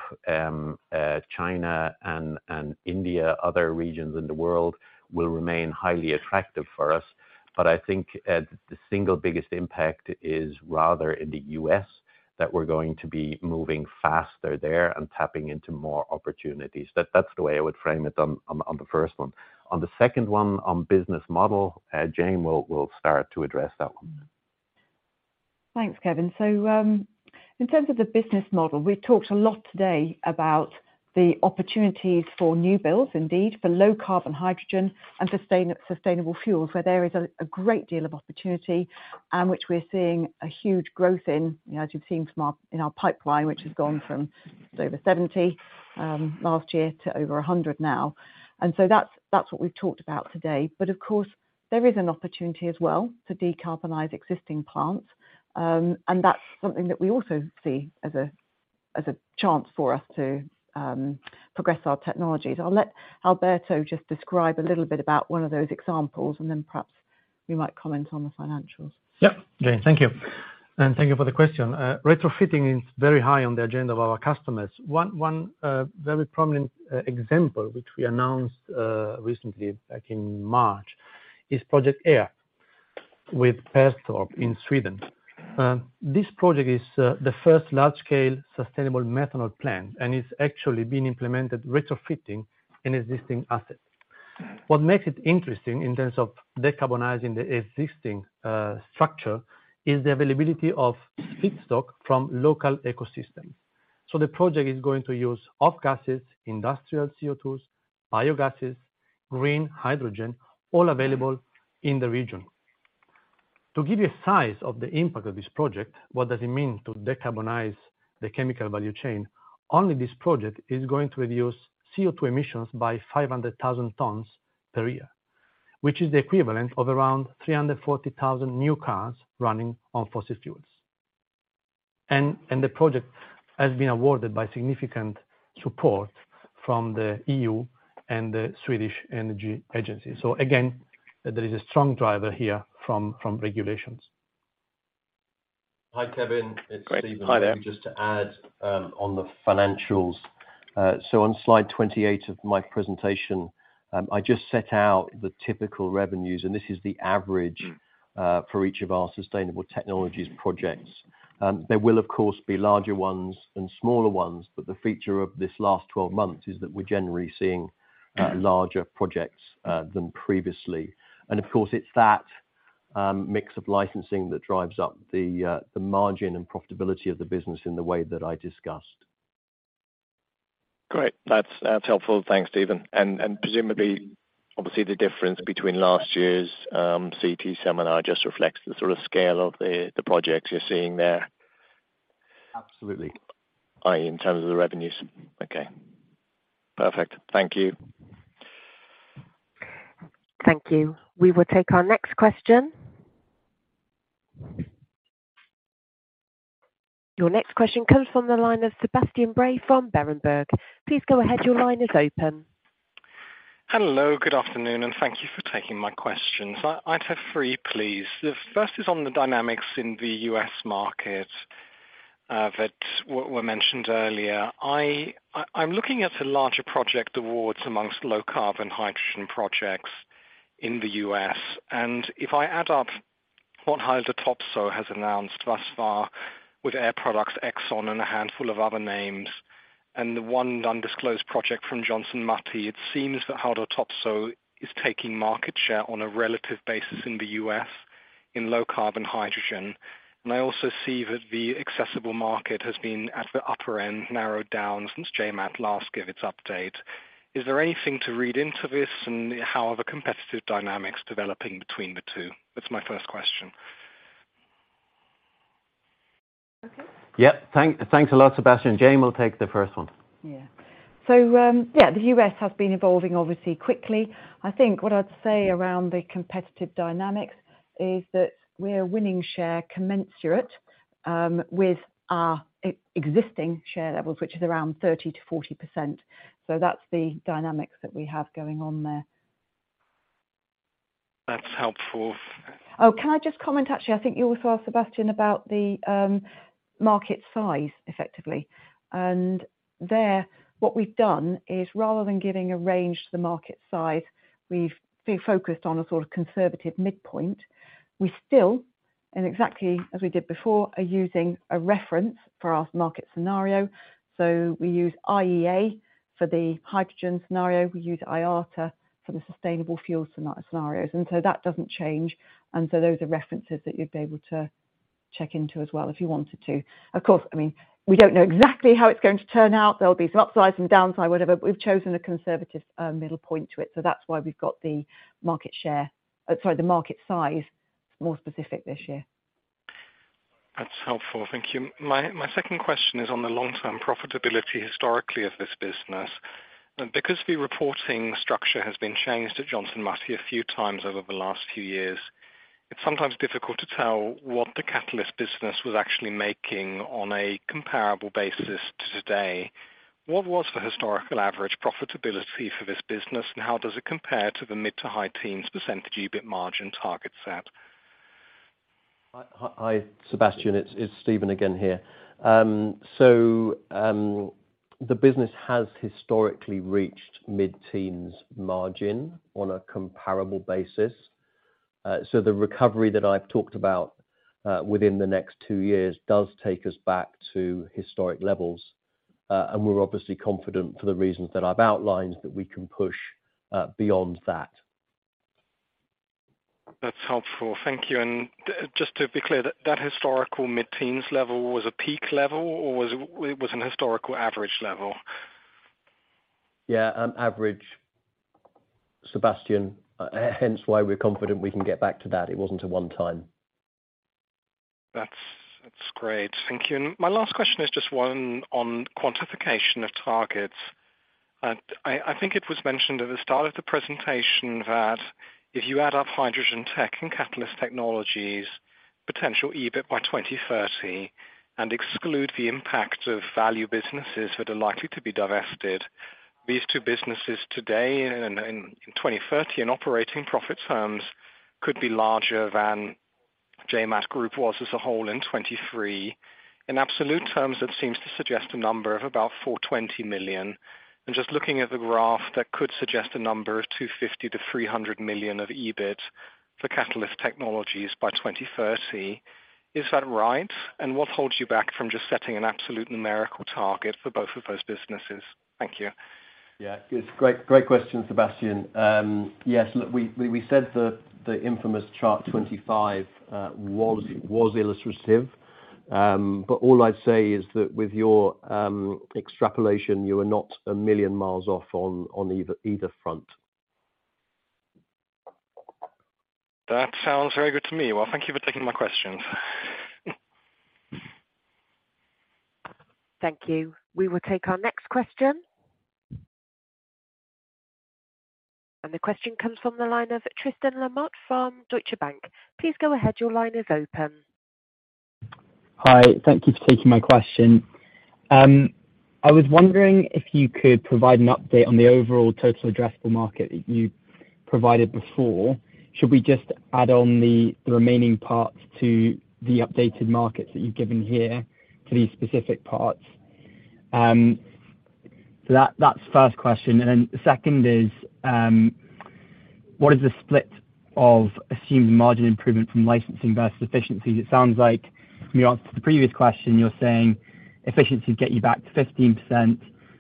China and India, other regions in the world will remain highly attractive for us. I think the single biggest impact is rather in the U.S., that we're going to be moving faster there and tapping into more opportunities. That's the way I would frame it on the first one. On the second one, on business model, Jane will start to address that one. Thanks, Kevin. In terms of the business model, we talked a lot today about the opportunities for new builds, indeed, for low carbon, hydrogen and sustainable fuels, where there is a great deal of opportunity and which we're seeing a huge growth in. You know, as you've seen from our pipeline, which has gone from over 70 last year to over 100 now. That's what we've talked about today. Of course, there is an opportunity as well to decarbonize existing plants, and that's something that we also see as a chance for us to progress our technologies. I'll let Alberto just describe a little bit about one of those examples, and then perhaps we might comment on the financials. Yep. Jane, thank you, thank you for the question. Retrofitting is very high on the agenda of our customers. One very prominent example, which we announced recently, back in March, is Project Air with Perstorp in Sweden. This project is the first large-scale sustainable methanol plant, it's actually been implemented retrofitting an existing asset. What makes it interesting in terms of decarbonizing the existing structure, is the availability of feedstock from local ecosystems. The project is going to use off gases, industrial CO2s, biogases, green hydrogen, all available in the region. To give you a size of the impact of this project, what does it mean to decarbonize the chemical value chain? Only this project is going to reduce CO2 emissions by 500,000 tons per year, which is the equivalent of around 340,000 new cars running on fossil fuels. The project has been awarded by significant support from the EU and the Swedish Energy Agency. Again, there is a strong driver here from regulations. Hi, Kevin. It's Stephen. Hi, there. Just to add, on the financials. On slide 28 of my presentation, I just set out the typical revenues, and this is the average. Mm. For each of our sustainable technologies projects. There will, of course, be larger ones and smaller ones, but the feature of this last 12 months is that we're generally seeing larger projects than previously. Of course, it's that mix of licensing that drives up the margin and profitability of the business in the way that I discussed. Great. That's helpful. Thanks, Stephen. Presumably, obviously, the difference between last year's CT seminar just reflects the sort of scale of the projects you're seeing there? Absolutely. In terms of the revenues. Okay, perfect. Thank you. Thank you. We will take our next question. Your next question comes from the line of Sebastian Bray from Berenberg. Please go ahead. Your line is open. Hello, good afternoon, and thank you for taking my questions. I'd have three, please. The first is on the dynamics in the U.S. market, that were mentioned earlier. I'm looking at the larger project awards amongst low carbon hydrogen projects in the U.S., and if I add up what Haldor Topsøe has announced thus far with Air Products, Exxon, and a handful of other names, and the one undisclosed project from Johnson Matthey, it seems that Haldor Topsøe is taking market share on a relative basis in the U.S., in low carbon hydrogen. I also see that the accessible market has been at the upper end, narrowed down since JMAT last gave its update. Is there anything to read into this? How are the competitive dynamics developing between the two? That's my first question. Yeah. Thanks a lot, Sebastian. Jane will take the first one. Yeah. Yeah, the U.S. has been evolving obviously quickly. I think what I'd say around the competitive dynamics is that we are winning share commensurate with our existing share levels, which is around 30%-40%. That's the dynamics that we have going on there. That's helpful. Oh, can I just comment? Actually, I think you also asked Sebastian about the market size effectively. There, what we've done is, rather than giving a range to the market size, we've focused on a sort of conservative midpoint. We still, and exactly as we did before, are using a reference for our market scenario. We use IEA for the hydrogen scenario, we use IATA for the sustainable fuel scenarios, that doesn't change. Those are references that you'd be able to check into as well, if you wanted to. Of course, I mean, we don't know exactly how it's going to turn out. There'll be some upside, some downside, whatever, but we've chosen a conservative middle point to it. That's why we've got the market size, more specific this year. That's helpful. Thank you. My second question is on the long-term profitability, historically, of this business. Because the reporting structure has been changed at Johnson Matthey a few times over the last few years, it's sometimes difficult to tell what the Catalyst business was actually making on a comparable basis to today. What was the historical average profitability for this business, and how does it compare to the mid to high teens % EBIT margin target set? Hi, Sebastian. It's Stephen again here. The business has historically reached mid-teens margin on a comparable basis. The recovery that I've talked about, within the next two years, does take us back to historic levels. We're obviously confident, for the reasons that I've outlined, that we can push beyond that. That's helpful. Thank you. Just to be clear, that historical mid-teens level was a peak level, or it was an historical average level? Average, Sebastian, hence why we're confident we can get back to that. It wasn't a one time. That's great. Thank you. My last question is just one on quantification of targets. I think it was mentioned at the start of the presentation, that if you add up Hydrogen Technologies and Catalyst Technologies potential EBIT by 2030, and exclude the impact of value businesses that are likely to be divested, these two businesses today and in 2030, in operating profit terms, could be larger than JMAT Group was as a whole in 2023. In absolute terms, that seems to suggest a number of about 420 million. Just looking at the graph, that could suggest a number of 250 million-300 million of EBIT for Catalyst Technologies by 2030. Is that right? What holds you back from just setting an absolute numerical target for both of those businesses? Thank you. Yeah, it's great. Great question, Sebastian. Yes, look, we said the infamous chart 25 was illustrative. All I'd say is that with your extrapolation, you are not a million miles off on either front. That sounds very good to me. Thank you for taking my questions. Thank you. We will take our next question. The question comes from the line of Tristan Lamotte from Deutsche Bank. Please go ahead. Your line is open. Hi, thank you for taking my question. I was wondering if you could provide an update on the overall total addressable market that you provided before. Should we just add on the remaining parts to the updated markets that you've given here, to these specific parts? That's the first question. The second is, what is the split of assumed margin improvement from licensing versus efficiencies? It sounds like, from your answer to the previous question, you're saying efficiencies get you back to 15%,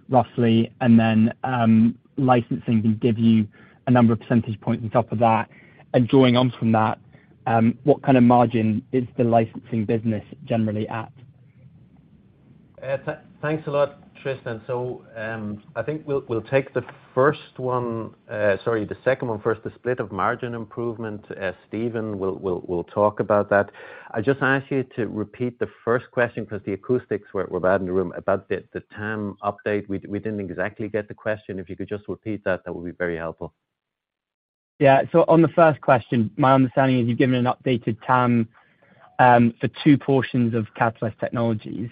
roughly, and then, licensing will give you a number of percentage points on top of that. Drawing on from that, what kind of margin is the licensing business generally at? Thanks a lot, Tristan. I think we'll take the first one, sorry, the second one first, the split of margin improvement. Stephen will talk about that. I just ask you to repeat the first question, because the acoustics were bad in the room, about the TAM update. We didn't exactly get the question. If you could just repeat that would be very helpful. Yeah. On the first question, my understanding is you've given an updated TAM for two portions of Catalyst Technologies.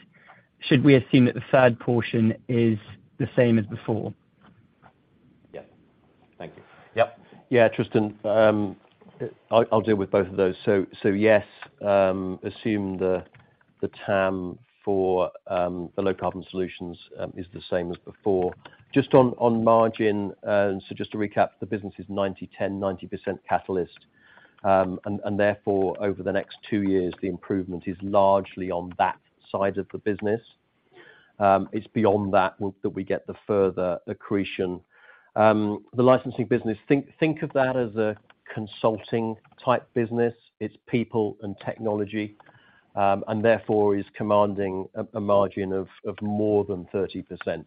Should we assume that the third portion is the same as before? Yes. Thank you. Yep. Yeah, Tristan, I'll deal with both of those. Yes, assume the TAM for the low carbon solutions is the same as before. Just on margin, just to recap, the business is 90/10, 90% catalyst. Therefore, over the next two years, the improvement is largely on that side of the business. It's beyond that we get the further accretion. The licensing business, think of that as a consulting type business. It's people and technology, therefore is commanding a margin of more than 30%.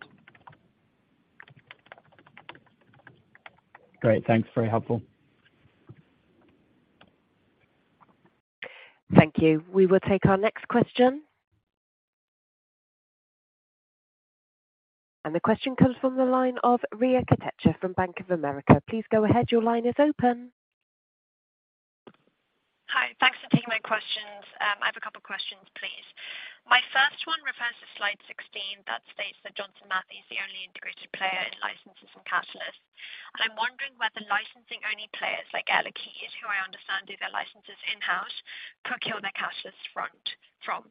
Great. Thanks. Very helpful. Thank you. We will take our next question. The question comes from the line of Riya Kotecha from Bank of America. Please go ahead. Your line is open. Hi, thanks for taking my questions. I have a couple questions, please. My first one refers to slide 16, that states that Johnson Matthey is the only integrated player in licenses and catalysts. I'm wondering whether licensing-only players, like Air Liquide, who I understand do their licenses in-house, procure their catalysts front from.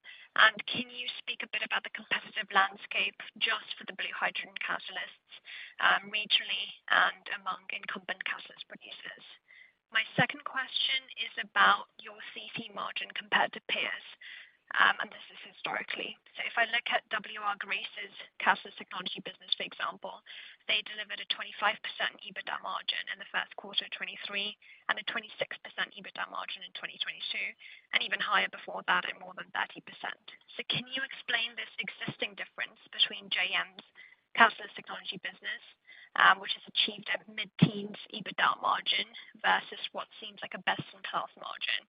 Can you speak a bit about the competitive landscape just for the blue hydrogen catalysts, regionally and among incumbent catalysts producers? My second question is about your CC margin compared to peers, and this is historically. If I look at W.R. Grace's catalyst technology business, for example, they delivered a 25% EBITDA margin in the first quarter of 2023, and a 26% EBITDA margin in 2022, and even higher before that at more than 30%. Can you explain this existing difference between JM's Catalyst Technologies business, which has achieved a mid-teens EBITDA margin versus what seems like a best-in-class margin?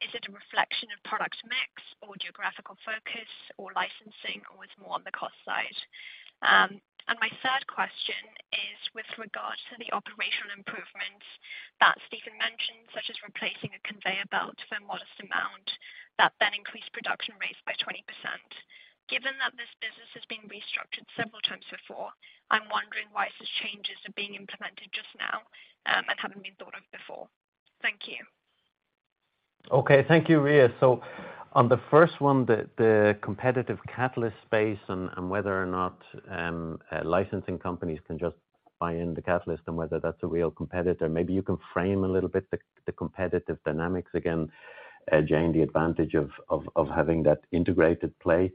Is it a reflection of product mix or geographical focus or licensing, or it's more on the cost side? My third question is with regards to the operational improvements that Stephen mentioned, such as replacing a conveyor belt for a modest amount that then increased production rates by 20%. Given that this business has been restructured several times before, I'm wondering why such changes are being implemented just now, haven't been thought of before. Thank you. Okay. Thank you, Riya. On the first one, the competitive catalyst space and whether or not licensing companies can just buy in the catalyst and whether that's a real competitor, maybe you can frame a little bit the competitive dynamics, again, Jane, the advantage of having that integrated play,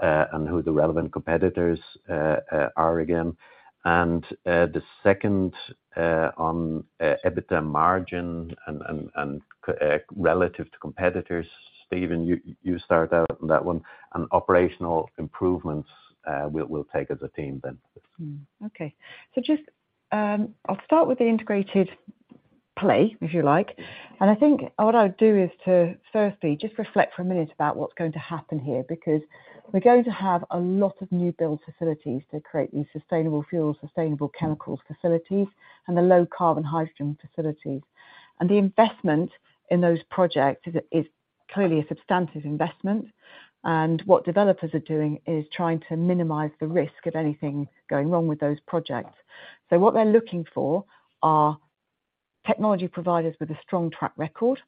and who the relevant competitors are again. The second on EBITDA margin and relative to competitors, Stephen, you start out on that one, and operational improvements, we'll take as a team then. Okay. Just, I'll start with the integrated play, if you like. I think what I'll do is to firstly just reflect for a minute about what's going to happen here, because we're going to have a lot of new build facilities to create these sustainable fuels, sustainable chemicals facilities and the low carbon hydrogen facilities. The investment in those projects is clearly a substantive investment, and what developers are doing is trying to minimize the risk of anything going wrong with those projects. What they're looking for are technology providers with a strong track record,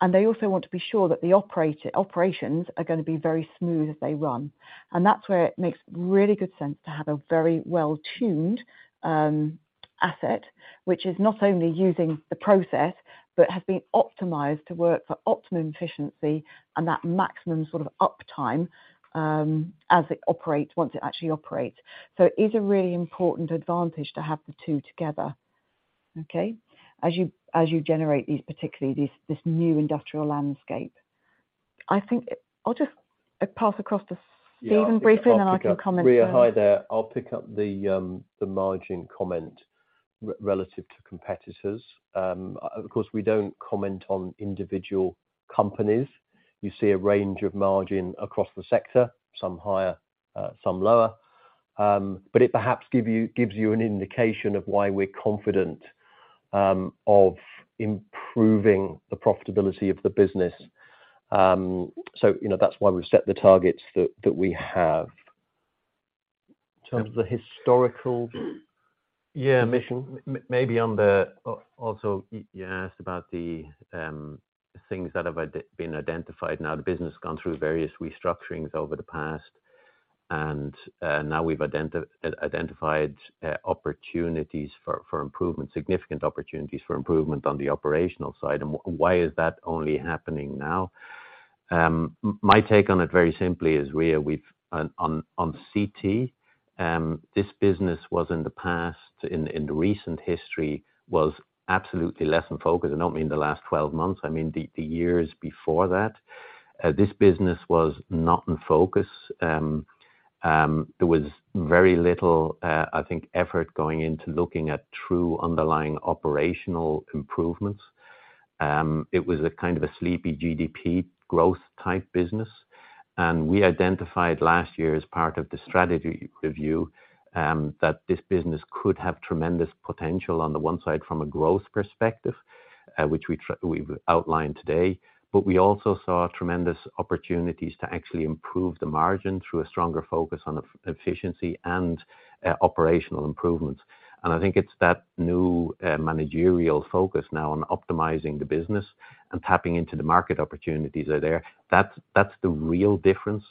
and they also want to be sure that the operations are gonna be very smooth as they run. That's where it makes really good sense to have a very well-tuned asset, which is not only using the process, but has been optimized to work for optimum efficiency and that maximum sort of uptime as it operates, once it actually operates. It is a really important advantage to have the two together, okay? As you generate these, particularly this new industrial landscape. I think I'll just pass across to Stephen briefly, and then I can comment. Riya, hi there. I'll pick up the margin comment relative to competitors. Of course, we don't comment on individual companies. You see a range of margin across the sector, some higher, some lower. It perhaps gives you an indication of why we're confident of improving the profitability of the business. You know, that's why we've set the targets that we have. In terms of the historical. Yeah. Mission, maybe on the also, you asked about the things that have been identified. Now, the business has gone through various restructurings over the past, and now we've identified opportunities for improvement, significant opportunities for improvement on the operational side. Why is that only happening now? My take on it, very simply, is Riya, we've on CT, this business was in the past, in the recent history, was absolutely less in focus. I don't mean the last 12 months, I mean, the years before that. This business was not in focus. There was very little, I think, effort going into looking at true underlying operational improvements. It was a kind of a sleepy GDP growth type business, and we identified last year as part of the strategy review, that this business could have tremendous potential on the one side, from a growth perspective, which we've outlined today. We also saw tremendous opportunities to actually improve the margin through a stronger focus on efficiency and operational improvements. I think it's that new managerial focus now on optimizing the business and tapping into the market opportunities are there, that's the real difference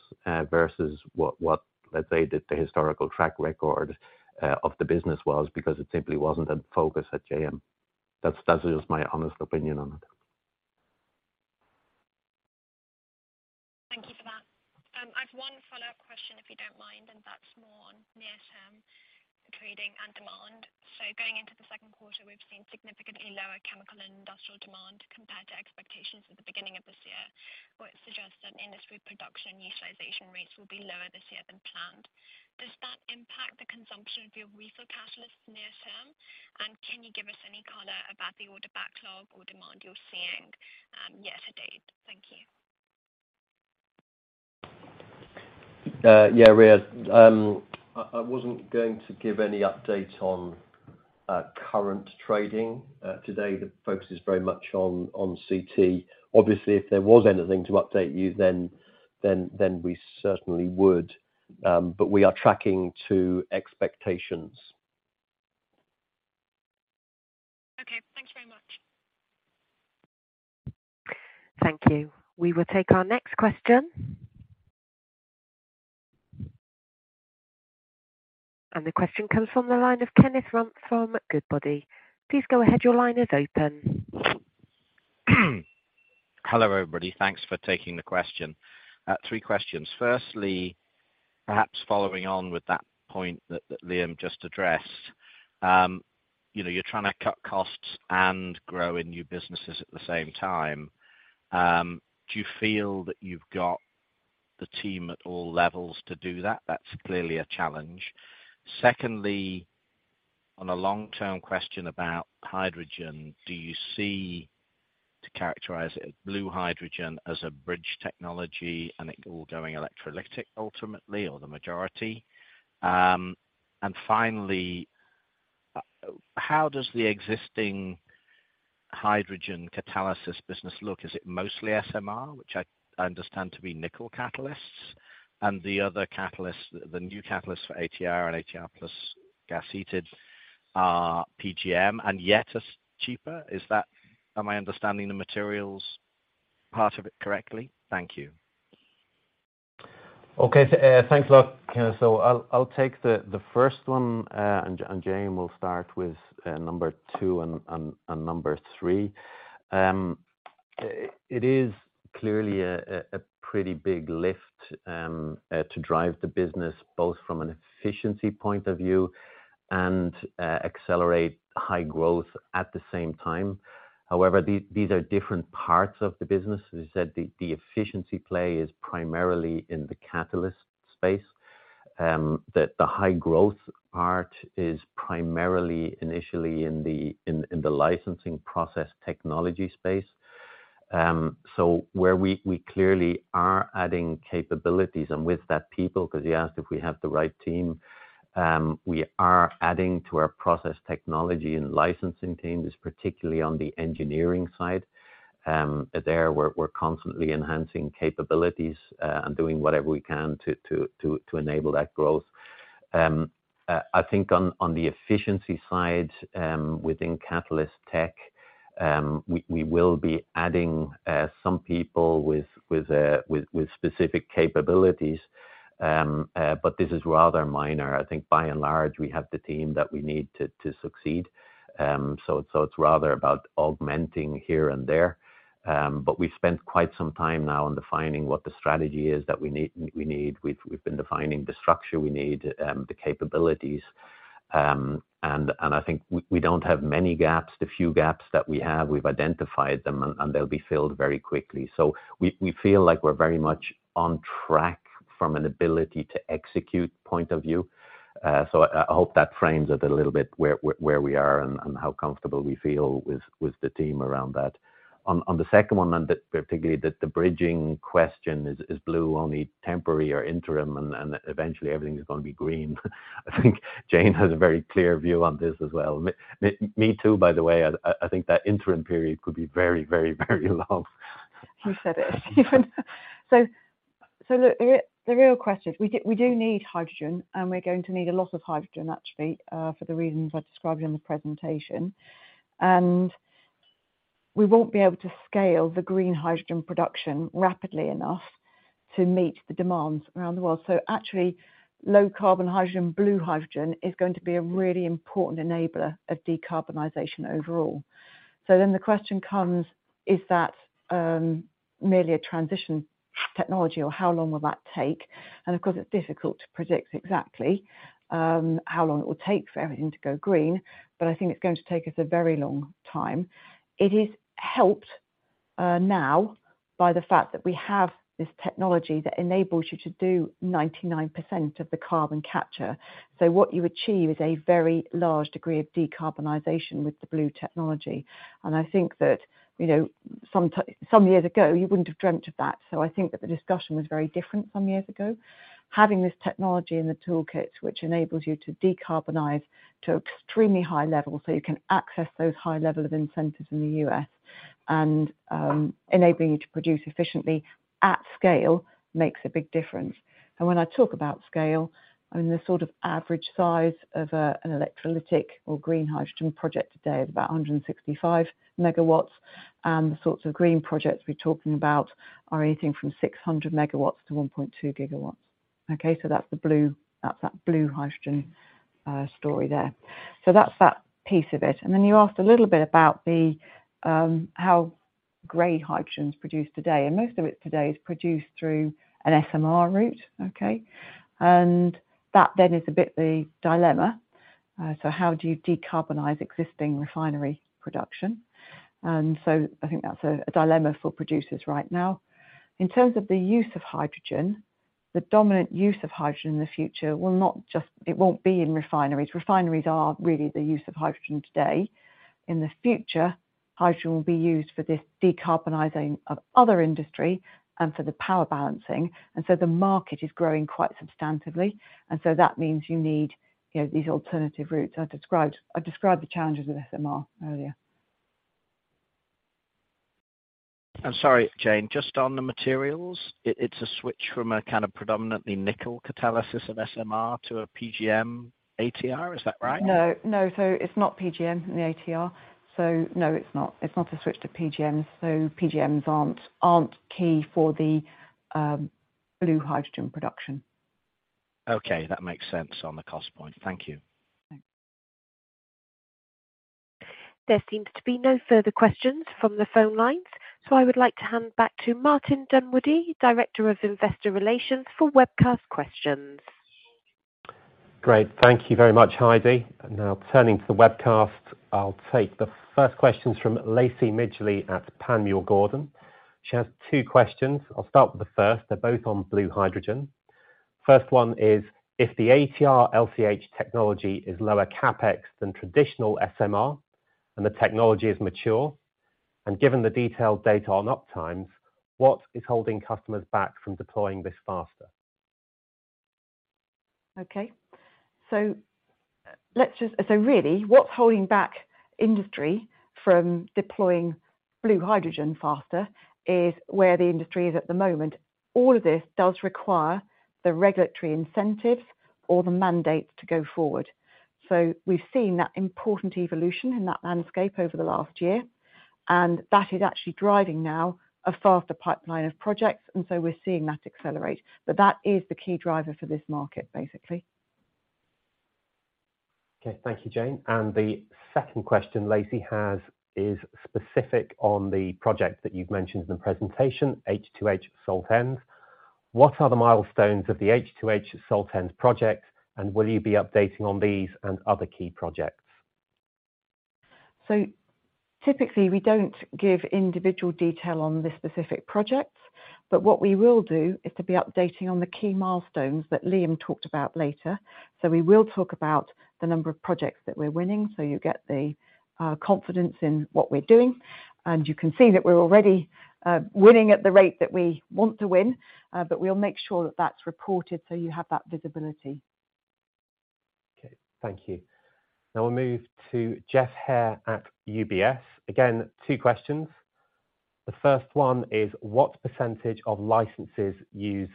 versus what, let's say, the historical track record of the business was, because it simply wasn't a focus at JM. That's just my honest opinion on it. Thank you for that. I've one follow-up question, if you don't mind, and that's more on near-term trading and demand. Going into the second quarter, we've seen significantly lower chemical and industrial demand compared to expectations at the beginning of this year, or it suggests that industry production utilization rates will be lower this year than planned. Does that impact the consumption of your refill catalysts near term? Can you give us any color about the order backlog or demand you're seeing, year to date? Thank you. Yeah, Riya. I wasn't going to give any update on current trading. Today, the focus is very much on CT. Obviously, if there was anything to update you, then we certainly would, but we are tracking to expectations. Okay. Thanks very much. Thank you. We will take our next question. The question comes from the line of Kenneth Rumph from Goodbody. Please go ahead. Your line is open. Hello, everybody. Thanks for taking the question. Three questions. Firstly, perhaps following on with that point that Liam just addressed, you know, you're trying to cut costs and grow in new businesses at the same time. Do you feel that you've got the team at all levels to do that? That's clearly a challenge. Secondly, on a long-term question about hydrogen, do you see, to characterize it, blue hydrogen as a bridge technology and it all going electrolytic, ultimately, or the majority? Finally, how does the existing hydrogen catalysis business look? Is it mostly SMR, which I understand to be nickel catalysts, and the other catalysts, the new catalysts for ATR and ATR plus gas-heated, are PGM, and yet is cheaper? Am I understanding the materials part of it correctly? Thank you. Thanks a lot, Kenneth. I'll take the first one, and Jane will start with number two and number three. It is clearly a pretty big lift to drive the business, both from an efficiency point of view and accelerate high growth at the same time. However, these are different parts of the business. As I said, the efficiency play is primarily in the catalyst space, that the high growth part is primarily, initially, in the licensing process technology space. Where we clearly are adding capabilities, and with that, people, 'cause you asked if we have the right team. We are adding to our process technology and licensing teams, particularly on the engineering side. There, we're constantly enhancing capabilities, doing whatever we can to enable that growth. I think on the efficiency side, within Catalyst Tech, we will be adding some people with specific capabilities. This is rather minor. I think by and large, we have the team that we need to succeed. It's rather about augmenting here and there. We've spent quite some time now on defining what the strategy is that we need. We've been defining the structure we need, the capabilities. I think we don't have many gaps. The few gaps that we have, we've identified them. They'll be filled very quickly. We feel like we're very much on track from an ability to execute point of view. I hope that frames it a little bit, where we are and how comfortable we feel with the team around that. On the second one, particularly that the bridging question is blue, only temporary or interim, and eventually everything is gonna be green. I think Jane has a very clear view on this as well. Me too, by the way. I think that interim period could be very long. You said it. Look, the real question, we do need hydrogen, and we're going to need a lot of hydrogen actually, for the reasons I described in the presentation. We won't be able to scale the green hydrogen production rapidly enough to meet the demands around the world. Actually, low carbon hydrogen, blue hydrogen, is going to be a really important enabler of decarbonization overall. The question comes, is that merely a transition technology or how long will that take? Of course, it's difficult to predict exactly how long it will take for everything to go green, but I think it's going to take us a very long time. It is helped, now, by the fact that we have this technology that enables you to do 99% of the carbon capture. What you achieve is a very large degree of decarbonization with the blue technology. I think that, you know, some years ago, you wouldn't have dreamt of that. I think that the discussion was very different some years ago. Having this technology in the toolkit, which enables you to decarbonize to extremely high levels, so you can access those high level of incentives in the U.S., and enabling you to produce efficiently at scale, makes a big difference. When I talk about scale, I mean, the sort of average size of an electrolytic or green hydrogen project today is about 165 MW, and the sorts of green projects we're talking about are anything from 600 MW to 1.2 GW. That's the blue, that's that blue hydrogen story there. That's that piece of it. You asked a little bit about the how gray hydrogen is produced today, and most of it today is produced through an SMR route, okay? That is a bit the dilemma. How do you decarbonize existing refinery production? I think that's a dilemma for producers right now. In terms of the use of hydrogen, the dominant use of hydrogen in the future it won't be in refineries. Refineries are really the use of hydrogen today. In the future, hydrogen will be used for this decarbonizing of other industry and for the power balancing, and so the market is growing quite substantively. That means you need, you know, these alternative routes I described. I described the challenges with SMR earlier. I'm sorry, Jane, just on the materials, it's a switch from a kind of predominantly nickel catalysis of SMR to a PGM ATR, is that right? No, no. It's not PGM in the ATR, so no, it's not. It's not a switch to PGMs aren't key for the blue hydrogen production. Okay, that makes sense on the cost point. Thank you. Thanks. There seems to be no further questions from the phone lines, so I would like to hand back to Martin Dunwoodie, Director of Investor Relations, for webcast questions. Great. Thank you very much, Heidi. Now turning to the webcast, I'll take the first questions from Lacie Midgley at Panmure Gordon. She has two questions. I'll start with the first. They're both on blue hydrogen. First one is: If the ATR LCH technology is lower CapEx than traditional SMR, and the technology is mature, and given the detailed data on uptimes, what is holding customers back from deploying this faster? Okay. Really, what's holding back industry from deploying blue hydrogen faster is where the industry is at the moment. All of this does require the regulatory incentives or the mandates to go forward. We've seen that important evolution in that landscape over the last year, and that is actually driving now a faster pipeline of projects, we're seeing that accelerate. That is the key driver for this market, basically. Okay. Thank you, Jane. The second question Lacie has, is specific on the project that you've mentioned in the presentation, H2H Saltend. What are the milestones of the H2H Saltend project, and will you be updating on these and other key projects? Typically, we don't give individual detail on the specific projects, but what we will do, is to be updating on the key milestones that Liam talked about later. We will talk about the number of projects that we're winning, so you get the confidence in what we're doing. You can see that we're already winning at the rate that we want to win, but we'll make sure that that's reported, so you have that visibility. Okay. Thank you. Now we'll move to Geoff Haire at UBS. Again, two questions. The first one is: What percentage of licenses use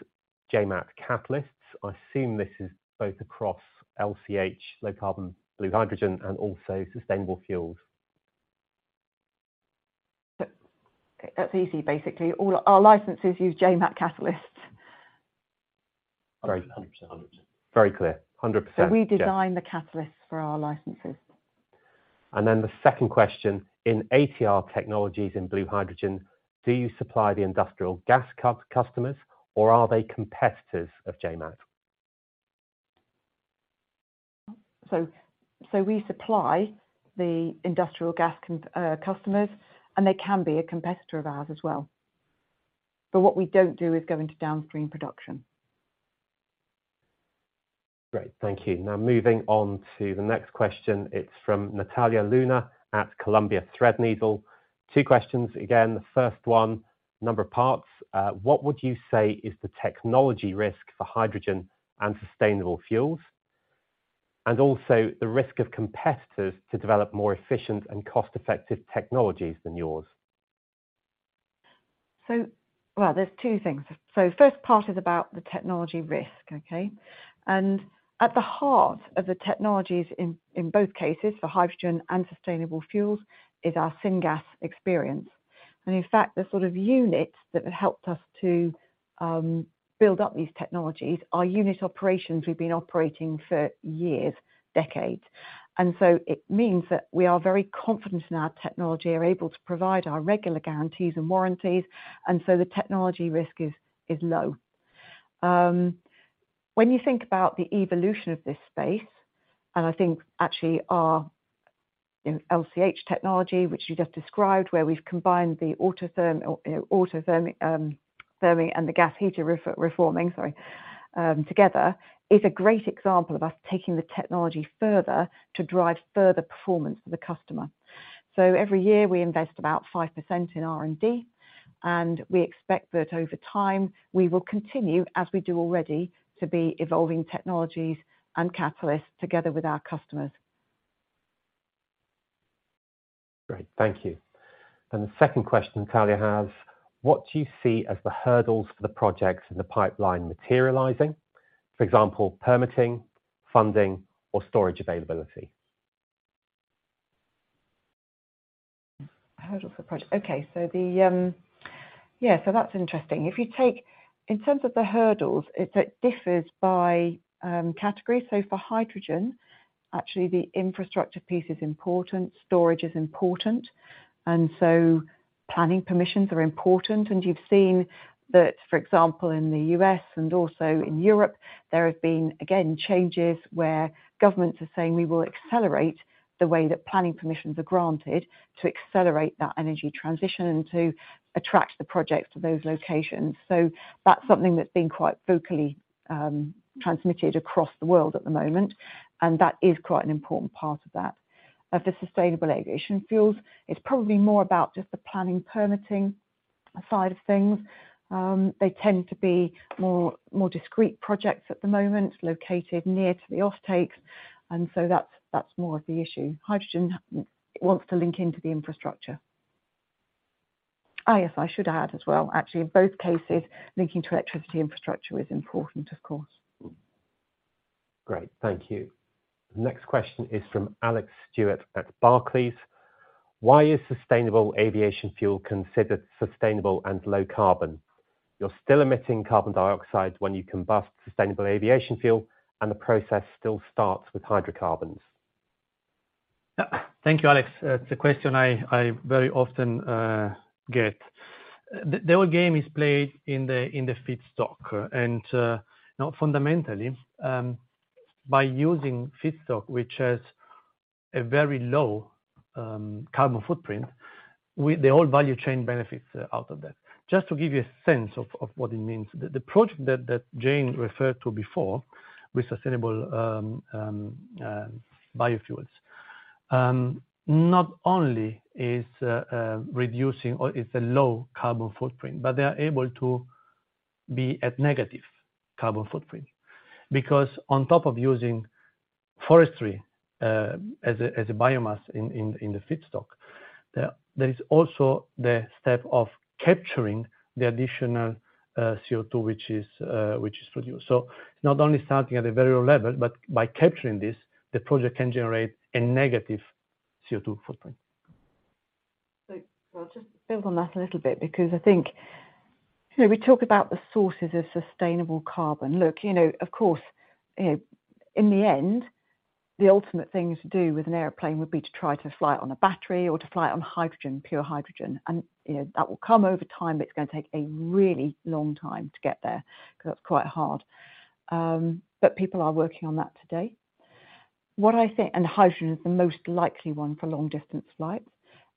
JMAT catalysts? I assume this is both across LCH, low carbon, blue hydrogen, and also sustainable fuels. Okay, that's easy, basically. All our licenses use JMAT catalysts. Great, a 100%. Very clear. 100%. We design the catalysts for our licenses. The second question: In ATR technologies in blue hydrogen, do you supply the industrial gas customers, or are they competitors of JMAT? We supply the industrial gas customers, and they can be a competitor of ours as well. What we don't do is go into downstream production. Great. Thank you. Moving on to the next question. It's from Natalia Luna at Columbia Threadneedle. Two questions again. The first one, number of parts. What would you say is the technology risk for hydrogen and sustainable fuels? Also the risk of competitors to develop more efficient and cost-effective technologies than yours. Well, there's two things. First part is about the technology risk, okay? At the heart of the technologies in both cases, for hydrogen and sustainable fuels, is our syngas experience. In fact, the sort of units that have helped us to build up these technologies, are unit operations we've been operating for years, decades. It means that we are very confident in our technology, are able to provide our regular guarantees and warranties, and so the technology risk is low. When you think about the evolution of this space, and I think actually our LCH technology, which you just described, where we've combined the autothermic and the gas heated reforming, sorry, together, is a great example of us taking the technology further to drive further performance for the customer. Every year, we invest about 5% in R&D, and we expect that over time, we will continue, as we do already, to be evolving technologies and catalysts together with our customers. Great, thank you. The second question Natalia has: What do you see as the hurdles for the projects in the pipeline materializing? For example, permitting, funding, or storage availability. Hurdles for project. Okay, yeah, that's interesting. If you take in terms of the hurdles, it differs by category. For hydrogen, actually, the infrastructure piece is important, storage is important, planning permissions are important. You've seen that, for example, in the U.S. and also in Europe, there have been, again, changes where governments are saying, "We will accelerate the way that planning permissions are granted to accelerate that energy transition and to attract the projects to those locations." That's something that's been quite vocally transmitted across the world at the moment, and that is quite an important part of that. Of the sustainable aviation fuels, it's probably more about just the planning, permitting side of things. They tend to be more discrete projects at the moment, located near to the offtakes. That's more of the issue. Hydrogen wants to link into the infrastructure. Yes, I should add as well, actually, in both cases, linking to electricity infrastructure is important, of course. Great, thank you. Next question is from Alex Stewart at Barclays. Why is sustainable aviation fuel considered sustainable and low carbon? You're still emitting carbon dioxide when you combust sustainable aviation fuel, the process still starts with hydrocarbons. Thank you, Alex. That's a question I very often get. The whole game is played in the feedstock, now, fundamentally, by using feedstock, which has a very low carbon footprint, the whole value chain benefits out of that. Just to give you a sense of what it means, the project that Jane referred to before, with sustainable biofuels, not only is reducing or is a low carbon footprint, but they are able to be at negative carbon footprint. On top of using forestry as a biomass in the feedstock, there is also the step of capturing the additional CO2, which is produced. Not only starting at a very low level, but by capturing this, the project can generate a negative CO2 footprint. I'll just build on that a little bit, because I think, you know, we talk about the sources of sustainable carbon. Look, you know, of course, you know, in the end, the ultimate thing to do with an airplane would be to try to fly it on a battery or to fly it on hydrogen, pure hydrogen. You know, that will come over time, but it's gonna take a really long time to get there, because that's quite hard. But people are working on that today. What I think. Hydrogen is the most likely one for long distance flights.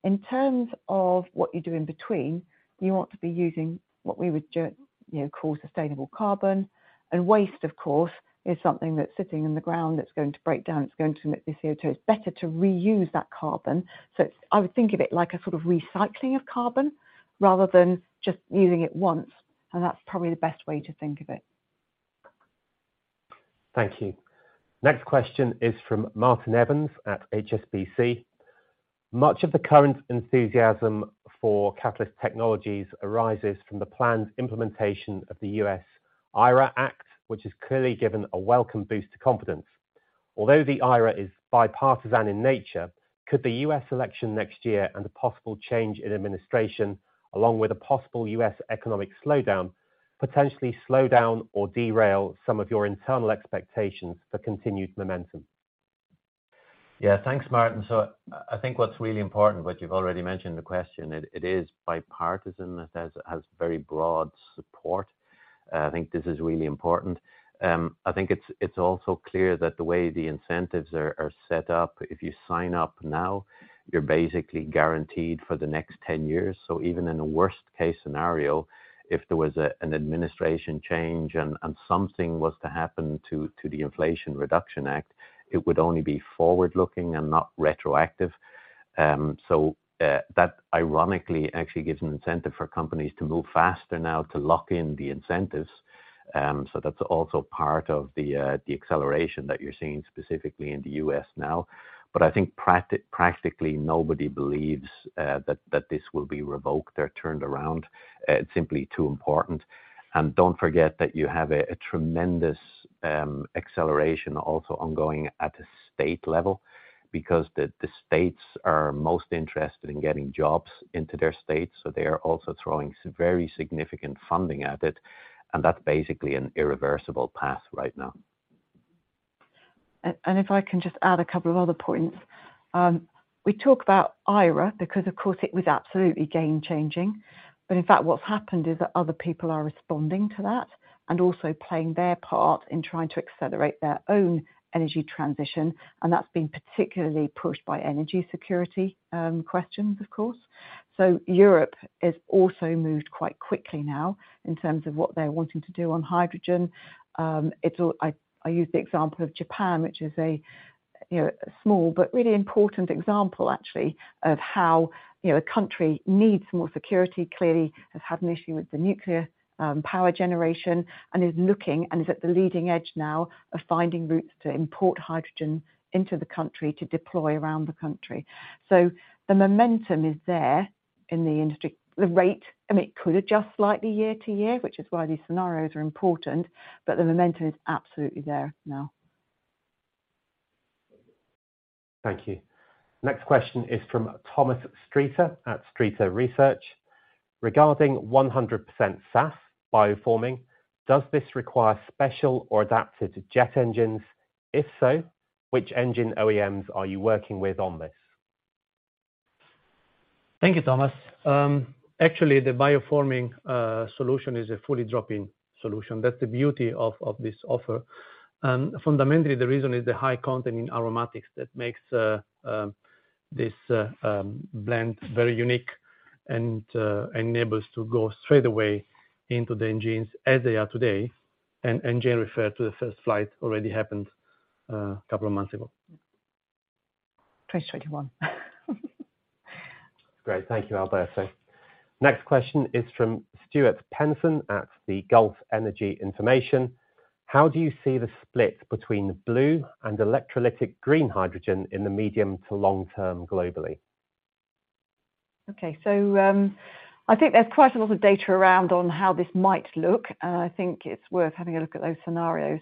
In terms of what you do in between, you want to be using what we would you know, call sustainable carbon. Waste, of course, is something that's sitting in the ground that's going to break down, it's going to emit the CO2. It's better to reuse that carbon. I would think of it like a sort of recycling of carbon, rather than just using it once. That's probably the best way to think of it. Thank you. Next question is from Martin Evans at HSBC. Much of the current enthusiasm for Catalyst Technologies arises from the planned implementation of the U.S. IRA Act, which has clearly given a welcome boost to confidence. Although the IRA is bipartisan in nature, could the U.S. election next year and the possible change in administration, along with a possible U.S. economic slowdown, potentially slow down or derail some of your internal expectations for continued momentum? Yeah, thanks, Martin. I think what's really important, what you've already mentioned in the question, it is bipartisan. It has very broad support. I think this is really important. I think it's also clear that the way the incentives are set up, if you sign up now, you're basically guaranteed for the next 10 years. Even in a worst case scenario, if there was an administration change and something was to happen to the Inflation Reduction Act, it would only be forward-looking and not retroactive. So that ironically, actually gives an incentive for companies to move faster now to lock in the incentives. So that's also part of the acceleration that you're seeing specifically in the U.S. now. I think practically, nobody believes that this will be revoked or turned around. It's simply too important. Don't forget that you have a tremendous acceleration also ongoing at the state level, because the states are most interested in getting jobs into their states, so they are also throwing some very significant funding at it, and that's basically an irreversible path right now. If I can just add a couple of other points. We talk about IRA, because, of course, it was absolutely game changing. In fact, what's happened is that other people are responding to that, and also playing their part in trying to accelerate their own energy transition, and that's been particularly pushed by energy security, questions, of course. Europe has also moved quite quickly now in terms of what they're wanting to do on hydrogen. I use the example of Japan, which is you know, a small but really important example, actually, of how, you know, a country needs more security. Clearly, has had an issue with the nuclear, power generation and is looking, and is at the leading edge now, of finding routes to import hydrogen into the country to deploy around the country. The momentum is there in the industry. The rate, I mean, it could adjust slightly year to year, which is why these scenarios are important, but the momentum is absolutely there now. Thank you. Next question is from Thomas Streeter at Streeter Research: Regarding 100% SAF BioForming, does this require special or adapted jet engines? If so, which engine OEMs are you working with on this? Thank you, Thomas. Actually, the BioForming solution is a fully drop-in solution. That's the beauty of this offer. Fundamentally, the reason is the high content in aromatics that makes this blend very unique and enables to go straight away into the engines as they are today. Jane referred to the first flight, already happened a couple of months ago. 2021. Great. Thank you, Alberto. Next question is from Stuart Penson at the Gulf Energy Information: How do you see the split between blue and electrolytic green hydrogen in the medium to long term globally? I think there's quite a lot of data around on how this might look, and I think it's worth having a look at those scenarios.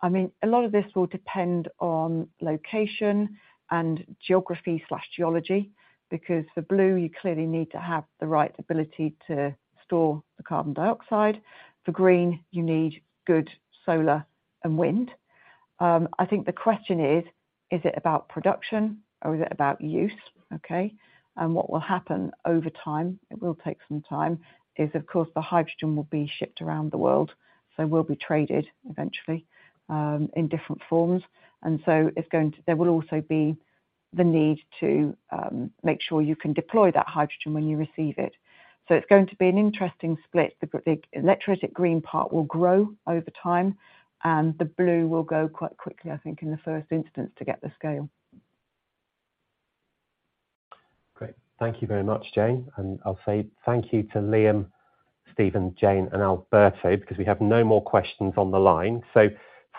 I mean, a lot of this will depend on location and geography/geology, because for blue, you clearly need to have the right ability to store the carbon dioxide. For green, you need good solar and wind. I think the question is it about production or is it about use? What will happen over time, it will take some time, is, of course, the hydrogen will be shipped around the world, so will be traded eventually, in different forms. There will also be the need to make sure you can deploy that hydrogen when you receive it. It's going to be an interesting split. The electrolytic green part will grow over time, and the blue will go quite quickly, I think, in the first instance, to get the scale. Great. Thank you very much, Jane. I'll say thank you to Liam, Stephen, Jane and Alberto, because we have no more questions on the line.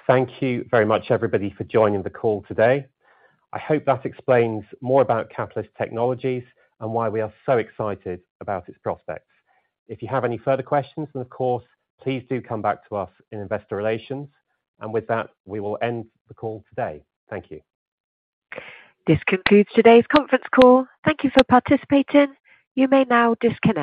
Thank you very much everybody for joining the call today. I hope that explains more about Catalyst Technologies and why we are so excited about its prospects. If you have any further questions, then, of course, please do come back to us in investor relations. With that, we will end the call today. Thank you. This concludes today's conference call. Thank you for participating. You may now disconnect.